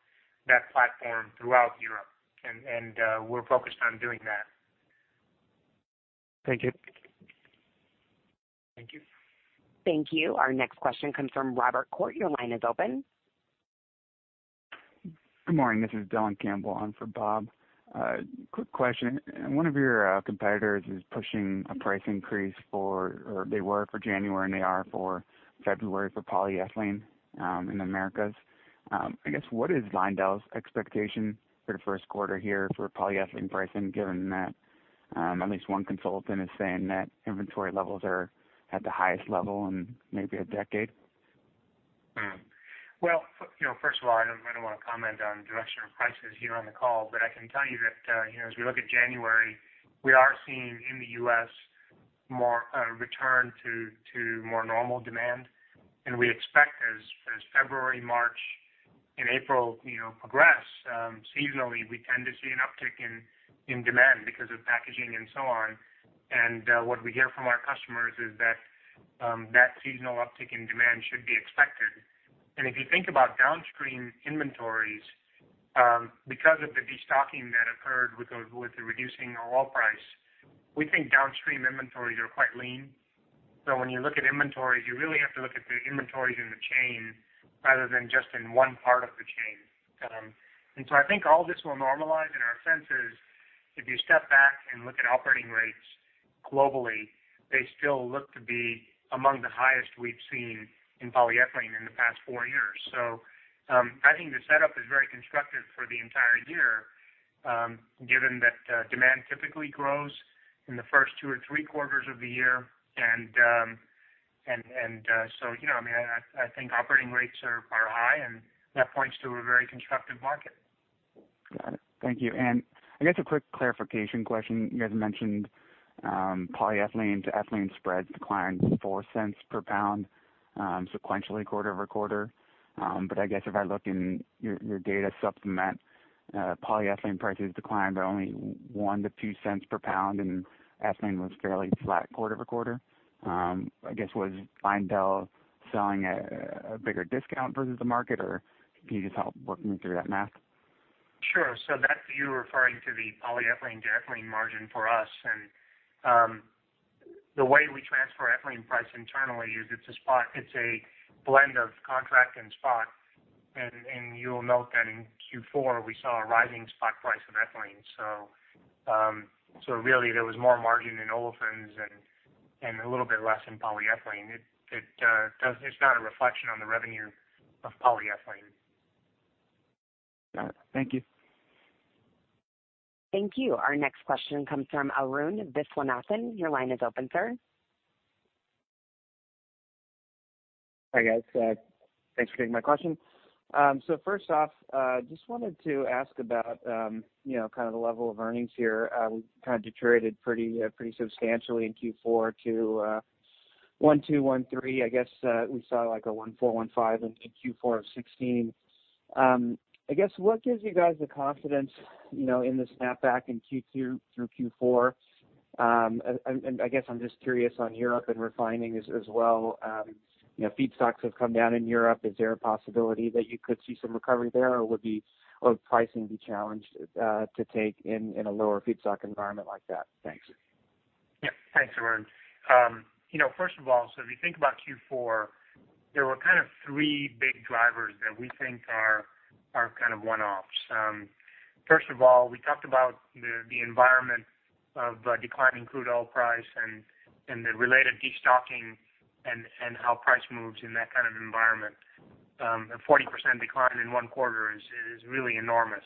that platform throughout Europe. We're focused on doing that. Thank you. Thank you. Thank you. Our next question comes from Robert Koort. Your line is open. Good morning. This is Dylan Campbell on for Bob. Quick question. One of your competitors is pushing a price increase for, or they were for January, they are for February for polyethylene in the Americas. I guess what is Lyondell's expectation for the first quarter here for polyethylene pricing, given that at least one consultant is saying that inventory levels are at the highest level in maybe a decade? Well, first of all, I don't want to comment on directional prices here on the call, but I can tell you that as we look at January, we are seeing in the U.S. a return to more normal demand. We expect as February, March, and April progress, seasonally, we tend to see an uptick in demand because of packaging and so on. What we hear from our customers is that seasonal uptick in demand should be expected. If you think about downstream inventories, because of the destocking that occurred with the reducing oil price, we think downstream inventories are quite lean. When you look at inventories, you really have to look at the inventories in the chain rather than just in one part of the chain. I think all this will normalize, and our sense is, if you step back and look at operating rates globally, they still look to be among the highest we've seen in polyethylene in the past four years. I think the setup is very constructive for the entire year, given that demand typically grows in the first two or three quarters of the year. I think operating rates are high, and that points to a very constructive market. Got it. Thank you. I guess a quick clarification question. You guys mentioned polyethylene to ethylene spreads declined $0.04 per pound sequentially quarter-over-quarter. I guess if I look in your data supplement, polyethylene prices declined by only $0.01-$0.02 per pound, and ethylene was fairly flat quarter-over-quarter. I guess, was Lyondell selling at a bigger discount versus the market, or can you just help walk me through that math? Sure. That you're referring to the polyethylene to ethylene margin for us. The way we transfer ethylene price internally is it's a blend of contract and spot. You'll note that in Q4, we saw a rising spot price of ethylene. Really, there was more margin in olefins and a little bit less in polyethylene. It's not a reflection on the revenue of polyethylene. Got it. Thank you. Thank you. Our next question comes from Arun Viswanathan. Your line is open, sir. Hi, guys. Thanks for taking my question. First off, just wanted to ask about the level of earnings here, kind of deteriorated pretty substantially in Q4 to $1,213, I guess, we saw a $1,415 in Q4 of 2016. I guess, what gives you guys the confidence in the snap back in Q2 through Q4? I guess I'm just curious on Europe and refining as well. Feedstocks have come down in Europe. Is there a possibility that you could see some recovery there, or would pricing be challenged to take in a lower feedstock environment like that? Thanks. Yeah. Thanks, Arun. First of all, if you think about Q4, there were kind of three big drivers that we think are kind of one-offs. First of all, we talked about the environment of declining crude oil price and the related destocking and how price moves in that kind of environment. A 40% decline in one quarter is really enormous,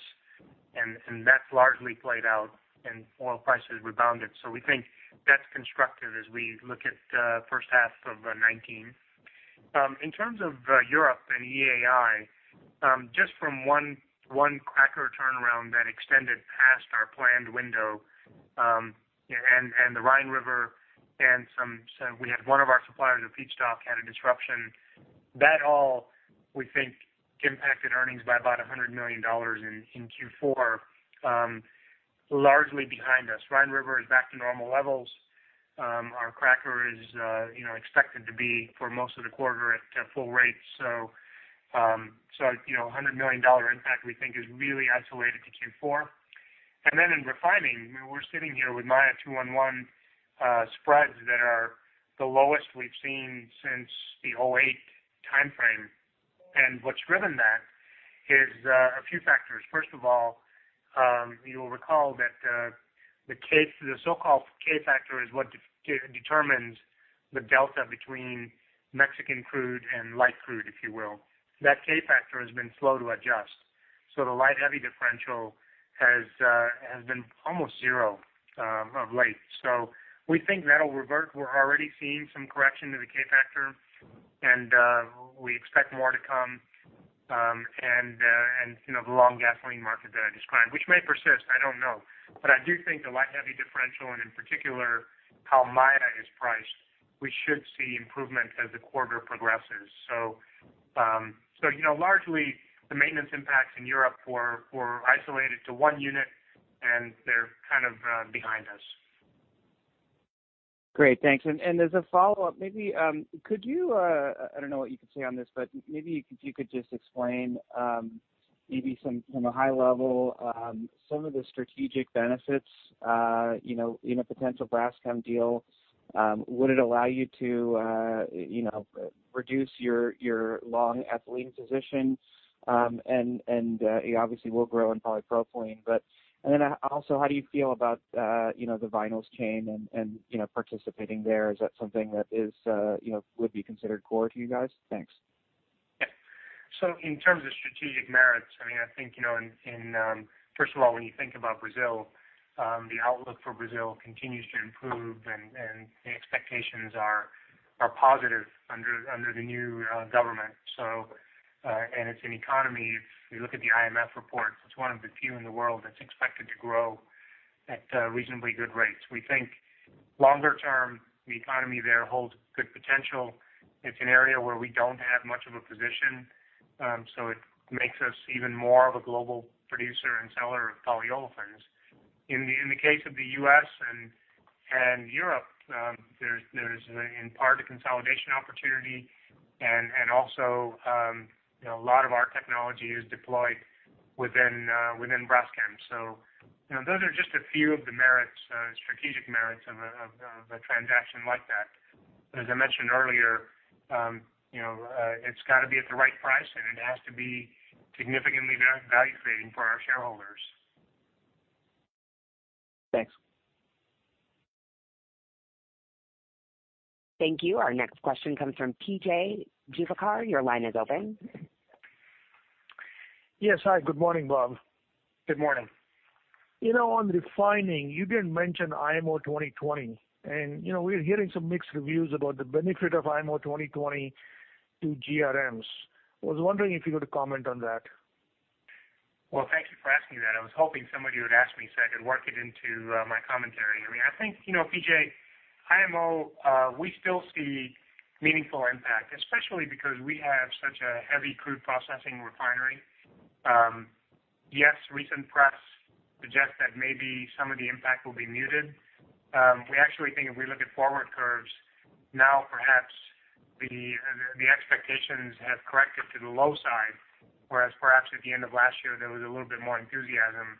and that's largely played out and oil prices rebounded. We think that's constructive as we look at the first half of 2019. In terms of Europe and EAI, just from one cracker turnaround that extended past our planned window, and the Rhine River, we had one of our suppliers of feedstock had a disruption. That all, we think, impacted earnings by about $100 million in Q4, largely behind us. Rhine River is back to normal levels. Our cracker is expected to be, for most of the quarter, at full rate. $100 million impact, we think, is really isolated to Q4. In refining, we're sitting here with Maya 2-1-1 spreads that are the lowest we've seen since the 2008 timeframe. What's driven that is a few factors. First of all, you'll recall that the so-called K factor is what determines the delta between Mexican crude and light crude, if you will. That K factor has been slow to adjust. The light-heavy differential has been almost zero of late. We think that'll revert. We're already seeing some correction to the K factor, and we expect more to come. The long gasoline market that I described, which may persist, I don't know, but I do think the light-heavy differential, and in particular how Maya is priced, we should see improvement as the quarter progresses. Largely, the maintenance impacts in Europe were isolated to one unit, and they're kind of behind us. Great. Thanks. As a follow-up, I don't know what you can say on this, but maybe if you could just explain, maybe from a high level, some of the strategic benefits in a potential Braskem deal. Would it allow you to reduce your long ethylene position? You obviously will grow in polypropylene. Also, how do you feel about the vinyls chain and participating there? Is that something that would be considered core to you guys? Thanks. Yeah. In terms of strategic merits, first of all, when you think about Brazil, the outlook for Brazil continues to improve, and the expectations are positive under the new government. It's an economy, if you look at the IMF reports, it's one of the few in the world that's expected to grow at reasonably good rates. We think longer term, the economy there holds good potential. It's an area where we don't have much of a position. It makes us even more of a global producer and seller of polyolefins. In the case of the U.S. and Europe, there's in part a consolidation opportunity, and also a lot of our technology is deployed within Braskem. Those are just a few of the merits, strategic merits, of a transaction like that. As I mentioned earlier, it's got to be at the right price, and it has to be significantly value-creating for our shareholders. Thanks. Thank you. Our next question comes from P.J. Juvekar. Your line is open. Yes. Hi, good morning, Bob. Good morning. On refining, you didn't mention IMO 2020. We're hearing some mixed reviews about the benefit of IMO 2020 to GRMs. I was wondering if you could comment on that. Well, thank you for asking that. I was hoping somebody would ask me so I could work it into my commentary. I think, P.J., IMO, we still see meaningful impact, especially because we have such a heavy crude processing refinery. Yes, recent press suggest that maybe some of the impact will be muted. We actually think if we look at forward curves now, perhaps the expectations have corrected to the low side, whereas perhaps at the end of last year, there was a little bit more enthusiasm.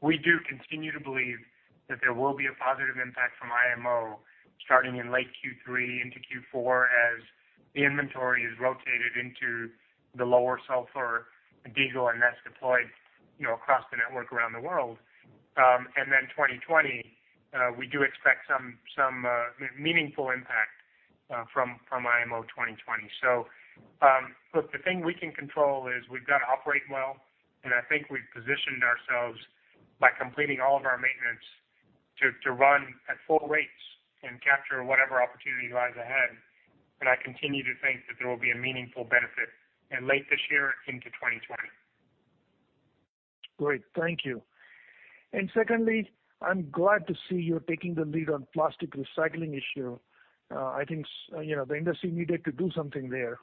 We do continue to believe that there will be a positive impact from IMO starting in late Q3 into Q4 as the inventory is rotated into the lower sulfur diesel and that's deployed across the network around the world. Then 2020, we do expect some meaningful impact from IMO 2020. Look, the thing we can control is we've got to operate well, and I think we've positioned ourselves by completing all of our maintenance to run at full rates and capture whatever opportunity lies ahead. I continue to think that there will be a meaningful benefit in late this year into 2020. Great. Thank you. Secondly, I'm glad to see you're taking the lead on plastic recycling issue. I think the industry needed to do something there.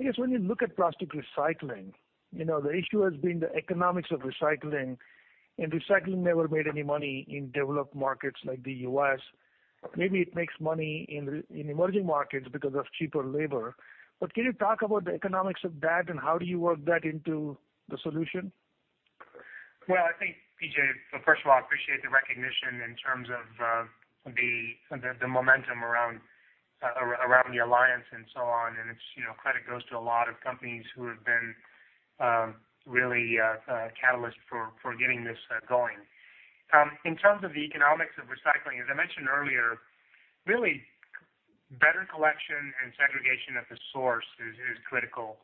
I guess when you look at plastic recycling, the issue has been the economics of recycling, and recycling never made any money in developed markets like the U.S. Maybe it makes money in emerging markets because of cheaper labor. Can you talk about the economics of that and how do you work that into the solution? Well, I think, P.J., first of all, I appreciate the recognition in terms of the momentum around the Alliance and so on. Credit goes to a lot of companies who have been really a catalyst for getting this going. In terms of the economics of recycling, as I mentioned earlier, really better collection and segregation at the source is critical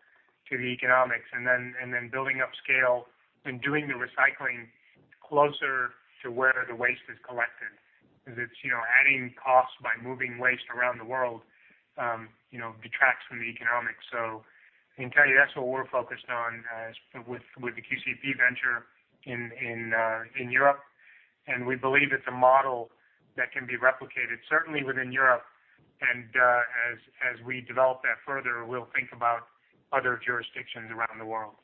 to the economics, then building up scale and doing the recycling closer to where the waste is collected. Adding costs by moving waste around the world detracts from the economics. I can tell you that's what we're focused on with the QCP venture in Europe, we believe it's a model that can be replicated, certainly within Europe. As we develop that further, we'll think about other jurisdictions around the world.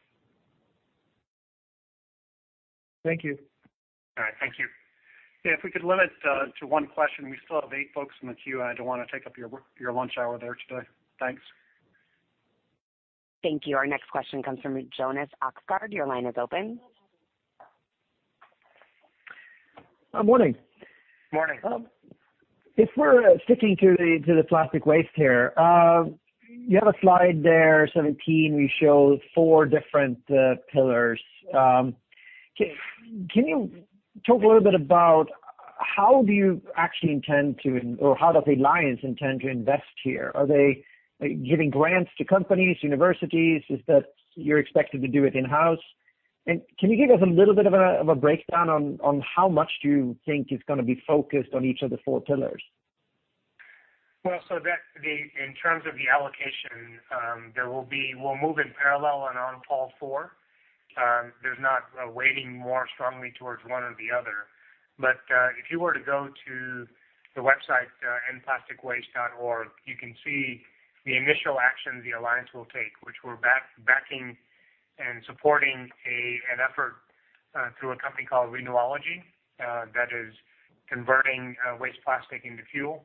Thank you. All right. Thank you. If we could limit to one question. We still have eight folks in the queue. I don't want to take up your lunch hour there today. Thanks. Thank you. Our next question comes from Jonas Oxgaard. Your line is open. Morning. Morning. If we're sticking to the plastic waste here. You have a slide 17, where you show four different pillars. Can you talk a little bit about how do you actually intend to, or how does the Alliance intend to invest here? Are they giving grants to companies, universities? Is that you're expected to do it in-house? Can you give us a little bit of a breakdown on how much do you think is going to be focused on each of the four pillars? In terms of the allocation, we'll move in parallel and on all four. There's not a weighting more strongly towards one or the other. If you were to go to the website endplasticwaste.org, you can see the initial actions the Alliance will take, which we're backing and supporting an effort through a company called Renewlogy, that is converting waste plastic into fuel.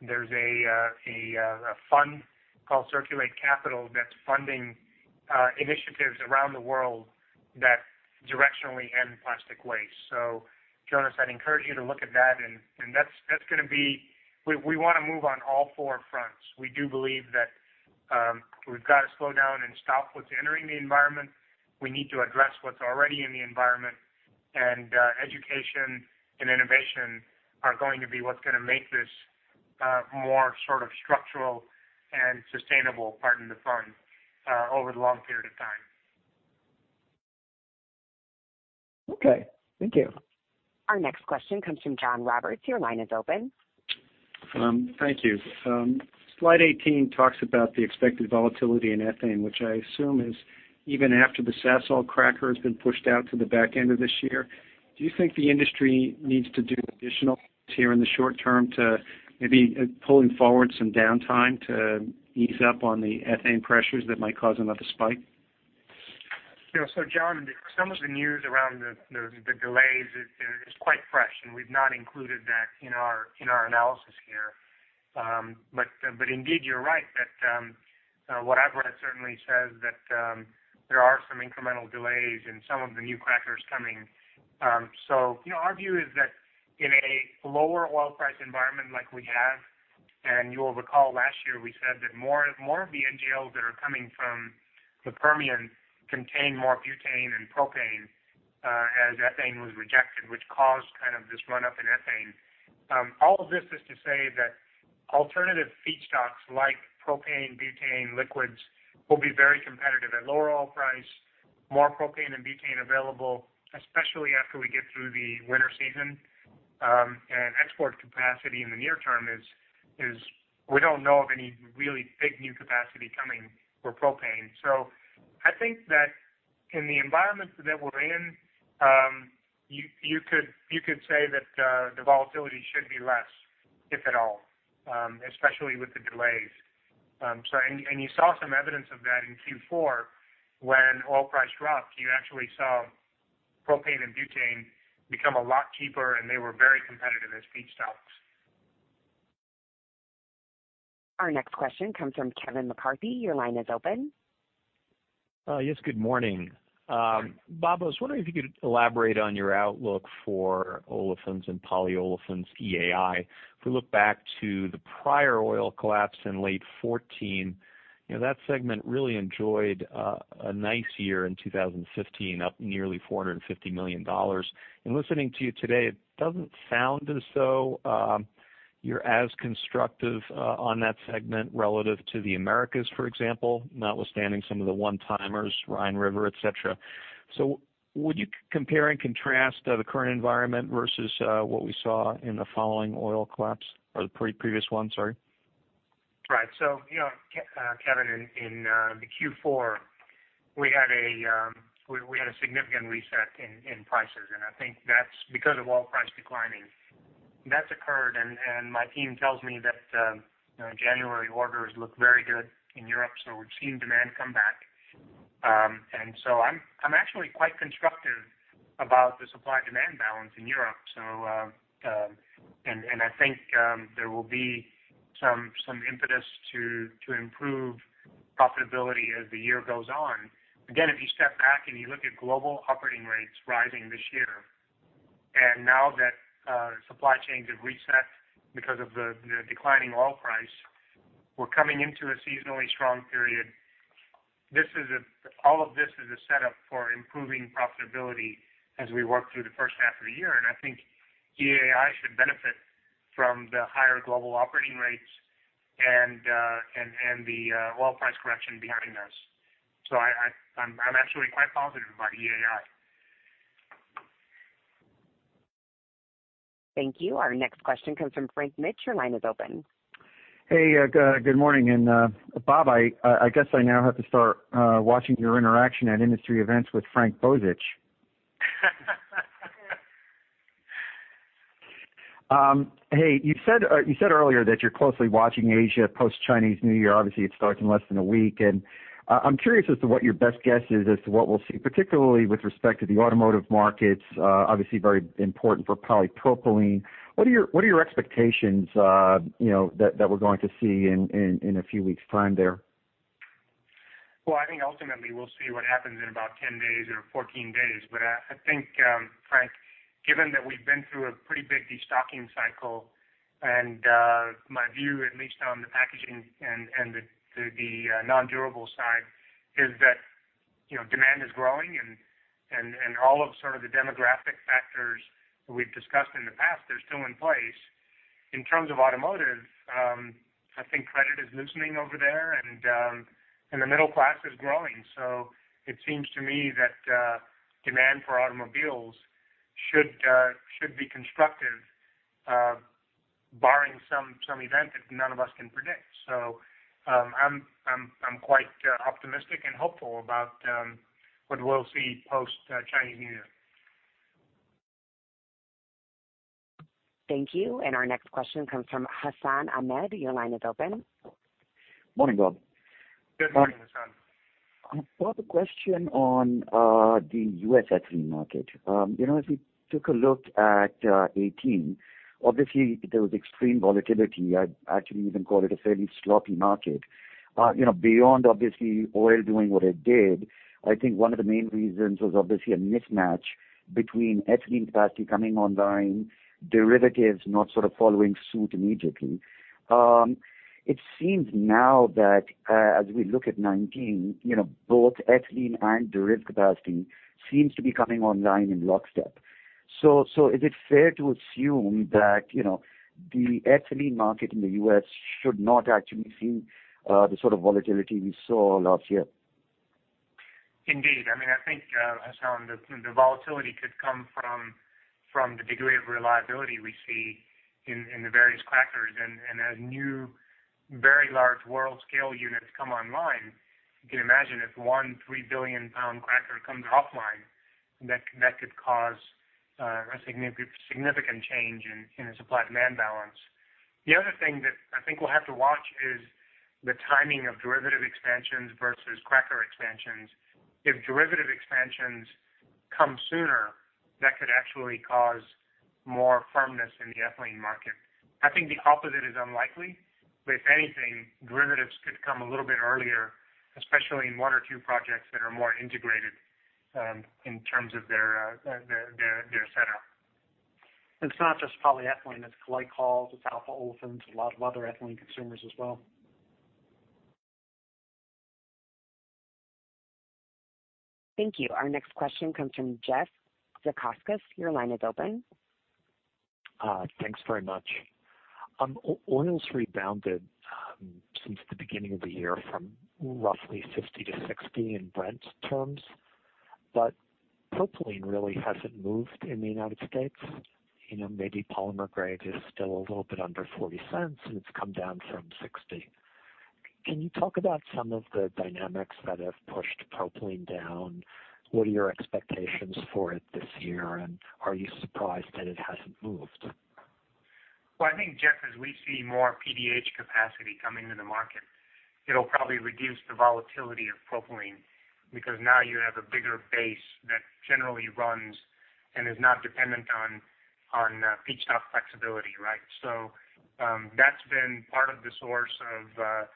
There's a fund called Circulate Capital that's funding initiatives around the world that directionally end plastic waste. Jonas, I'd encourage you to look at that. We want to move on all four fronts. We do believe that we've got to slow down and stop what's entering the environment. We need to address what's already in the environment. Education and innovation are going to be what's going to make this more structural and sustainable, pardon the pun, over the long period of time. Okay. Thank you. Our next question comes from John Roberts. Your line is open. Thank you. Slide 18 talks about the expected volatility in ethane, which I assume is even after the Sasol cracker has been pushed out to the back end of this year. Do you think the industry needs to do additional things here in the short term to maybe pulling forward some downtime to ease up on the ethane pressures that might cause another spike? John, some of the news around the delays is quite fresh, and we've not included that in our analysis here. Indeed, you're right that what I've read certainly says that there are some incremental delays in some of the new crackers coming. Our view is that in a lower oil price environment like we have, and you'll recall last year, we said that more of the NGLs that are coming from the Permian contain more butane and propane as ethane was rejected, which caused kind of this run-up in ethane. All of this is to say that alternative feedstocks like propane, butane, liquids will be very competitive at lower oil price, more propane and butane available, especially after we get through the winter season. Export capacity in the near term is we don't know of any really big new capacity coming for propane. I think that in the environment that we're in, you could say that the volatility should be less, if at all, especially with the delays. And you saw some evidence of that in Q4 when oil price dropped. You actually saw propane and butane become a lot cheaper, and they were very competitive as feedstocks. Our next question comes from Kevin McCarthy. Your line is open. Yes. Good morning. Bob, I was wondering if you could elaborate on your outlook for Olefins & Polyolefins EAI. If we look back to the prior oil collapse in late 2014, that segment really enjoyed a nice year in 2015, up nearly $450 million. In listening to you today, it doesn't sound as though you're as constructive on that segment relative to the Americas, for example, notwithstanding some of the one-timers, Rhine River, et cetera. Would you compare and contrast the current environment versus what we saw in the following oil collapse or the previous one, sorry? Right. Kevin, in the Q4, we had a significant reset in prices, and I think that's because of oil price declining. That's occurred, my team tells me that January orders look very good in Europe, we're seeing demand come back. I'm actually quite constructive about the supply-demand balance in Europe. I think there will be some impetus to improve profitability as the year goes on. Again, if you step back and you look at global operating rates rising this year, now that supply chains have reset because of the declining oil price, we're coming into a seasonally strong period. All of this is a setup for improving profitability as we work through the first half of the year, I think EAI should benefit from the higher global operating rates and the oil price correction behind us. I'm actually quite positive about EAI. Thank you. Our next question comes from Frank Mitsch. Your line is open. Hey, good morning. Bob, I guess I now have to start watching your interaction at industry events with Frank Bozich. Hey, you said earlier that you're closely watching Asia post-Chinese New Year. Obviously, it starts in less than a week. I'm curious as to what your best guess is as to what we'll see, particularly with respect to the automotive markets, obviously very important for polypropylene. What are your expectations that we're going to see in a few weeks' time there? Well, I think ultimately we'll see what happens in about 10 days or 14 days. I think, Frank, given that we've been through a pretty big destocking cycle, and my view, at least on the packaging and the non-durable side is that demand is growing, and all of sort of the demographic factors we've discussed in the past are still in place. In terms of automotive, I think credit is loosening over there, and the middle class is growing. It seems to me that demand for automobiles should be constructive, barring some event that none of us can predict. I'm quite optimistic and hopeful about what we'll see post-Chinese New Year. Thank you. Our next question comes from Hassan Ahmed. Your line is open. Morning, Bob. Good morning, Hassan. I've got a question on the U.S. ethylene market. If we took a look at 2018, obviously there was extreme volatility. I'd actually even call it a fairly sloppy market. Beyond obviously oil doing what it did, I think one of the main reasons was obviously a mismatch between ethylene capacity coming online, derivatives not sort of following suit immediately. It seems now that as we look at 2019, both ethylene and deriv capacity seems to be coming online in lockstep. Is it fair to assume that the ethylene market in the U.S. should not actually see the sort of volatility we saw last year? Indeed. I think, Hassan, the volatility could come from the degree of reliability we see in the various crackers. As new, very large world-scale units come online, you can imagine if 1 billion, 3 billion-pound cracker comes offline, that could cause a significant change in the supply-demand balance. The other thing that I think we'll have to watch is the timing of derivative expansions versus cracker expansions. If derivative expansions come sooner, that could actually cause more firmness in the ethylene market. I think the opposite is unlikely. If anything, derivatives could come a little bit earlier, especially in one or two projects that are more integrated in terms of their setup. It's not just polyethylene, it's glycols, it's alpha olefins, a lot of other ethylene consumers as well. Thank you. Our next question comes from Jeff Zekauskas. Your line is open. Thanks very much. Oil's rebounded since the beginning of the year from roughly $50-$60 in Brent terms. Propylene really hasn't moved in the U.S. Maybe polymer grade is still a little bit under $0.40, and it's come down from $0.60. Can you talk about some of the dynamics that have pushed propylene down? What are your expectations for it this year, and are you surprised that it hasn't moved? Well, I think, Jeff, as we see more PDH capacity coming to the market, it'll probably reduce the volatility of propylene because now you have a bigger base that generally runs and is not dependent on peak top flexibility. That's been part of the source of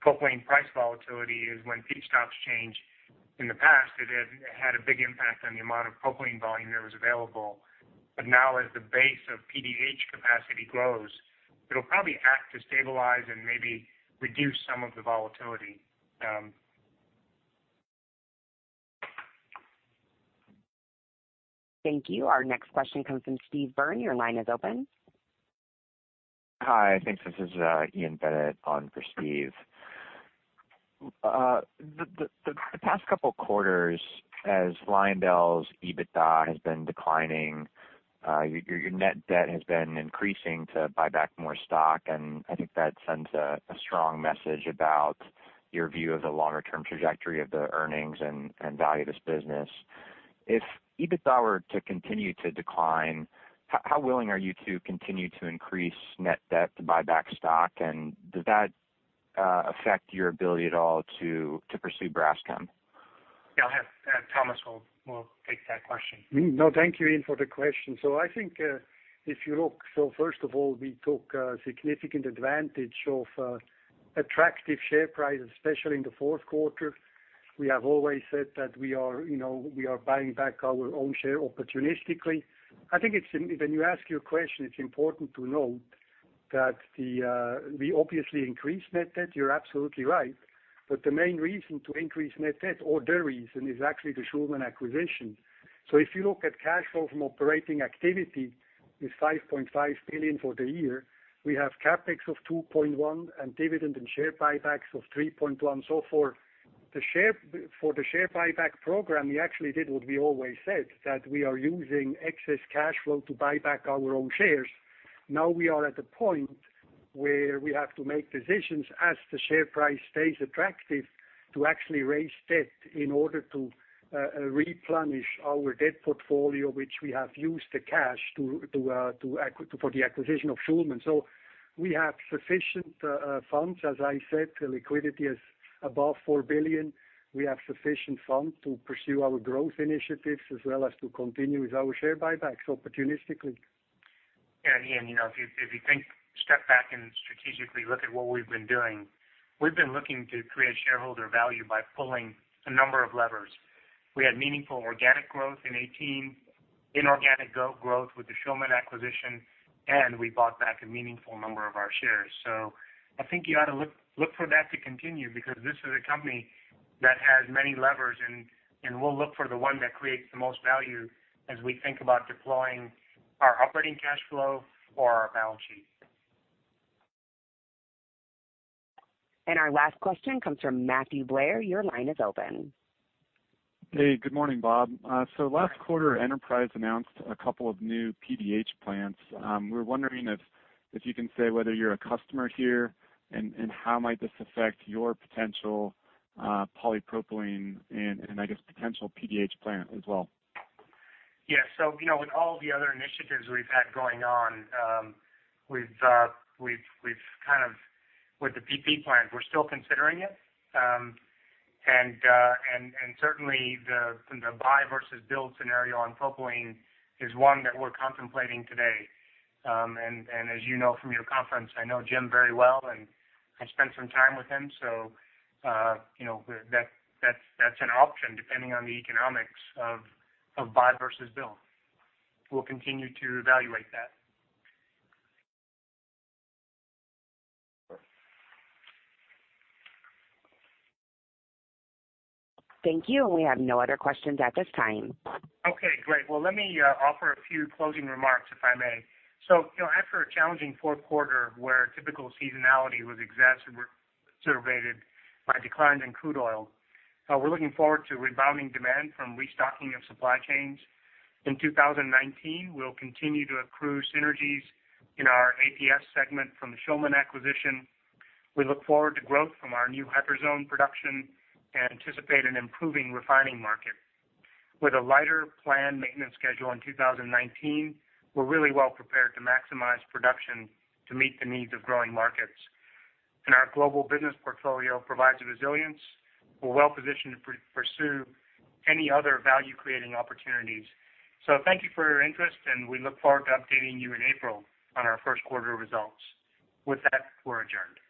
propylene price volatility is when peak tops change. In the past, it had a big impact on the amount of propylene volume that was available. Now as the base of PDH capacity grows, it'll probably act to stabilize and maybe reduce some of the volatility. Thank you. Our next question comes from Steve Byrne. Your line is open. Hi, I think this is Ian Bennett on for Steve. The past couple quarters as Lyondell's EBITDA has been declining, your net debt has been increasing to buy back more stock, and I think that sends a strong message about your view of the longer-term trajectory of the earnings and value of this business. If EBITDA were to continue to decline, how willing are you to continue to increase net debt to buy back stock? Does that affect your ability at all to pursue Braskem? Yeah, Thomas will take that question. No, thank you, Ian, for the question. I think if you look, first of all, we took significant advantage of attractive share prices, especially in the fourth quarter. We have always said that we are buying back our own share opportunistically. I think when you ask your question, it's important to note that we obviously increased net debt. You're absolutely right. But the main reason to increase net debt, or the reason, is actually the Schulman acquisition. If you look at cash flow from operating activity is $5.5 billion for the year. We have CapEx of $2.1 billion and dividend and share buybacks of $3.1 billion. For the share buyback program, we actually did what we always said, that we are using excess cash flow to buy back our own shares. Now we are at the point where we have to make decisions as the share price stays attractive to actually raise debt in order to replenish our debt portfolio, which we have used the cash for the acquisition of Schulman. We have sufficient funds. As I said, liquidity is above $4 billion. We have sufficient funds to pursue our growth initiatives as well as to continue with our share buybacks opportunistically. Yeah, Ian, if you think step back and strategically look at what we've been doing, we've been looking to create shareholder value by pulling a number of levers. We had meaningful organic growth in 2018, inorganic growth with the Schulman acquisition, and we bought back a meaningful number of our shares. I think you ought to look for that to continue because this is a company that has many levers, and we'll look for the one that creates the most value as we think about deploying our operating cash flow or our balance sheet. Our last question comes from Matthew Blair. Your line is open. Hey, good morning, Bob. Last quarter, Enterprise announced a couple of new PDH plants. We're wondering if you can say whether you're a customer here and how might this affect your potential polypropylene and, I guess, potential PDH plant as well. With all the other initiatives we've had going on, with the PP plant, we're still considering it. Certainly the buy versus build scenario on propylene is one that we're contemplating today. As you know from your conference, I know Jim very well, and I spent some time with him, that's an option depending on the economics of buy versus build. We'll continue to evaluate that. Thank you. We have no other questions at this time. Great. Let me offer a few closing remarks, if I may. After a challenging fourth quarter where typical seasonality was exacerbated by decline in crude oil, we're looking forward to rebounding demand from restocking of supply chains. In 2019, we'll continue to accrue synergies in our APS segment from the Schulman acquisition. We look forward to growth from our new Hyperzone production and anticipate an improving refining market. With a lighter plan maintenance schedule in 2019, we're really well prepared to maximize production to meet the needs of growing markets. Our global business portfolio provides the resilience. We're well positioned to pursue any other value-creating opportunities. Thank you for your interest, and we look forward to updating you in April on our first quarter results. With that, we're adjourned.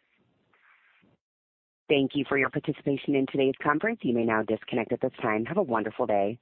Thank you for your participation in today's conference. You may now disconnect at this time. Have a wonderful day.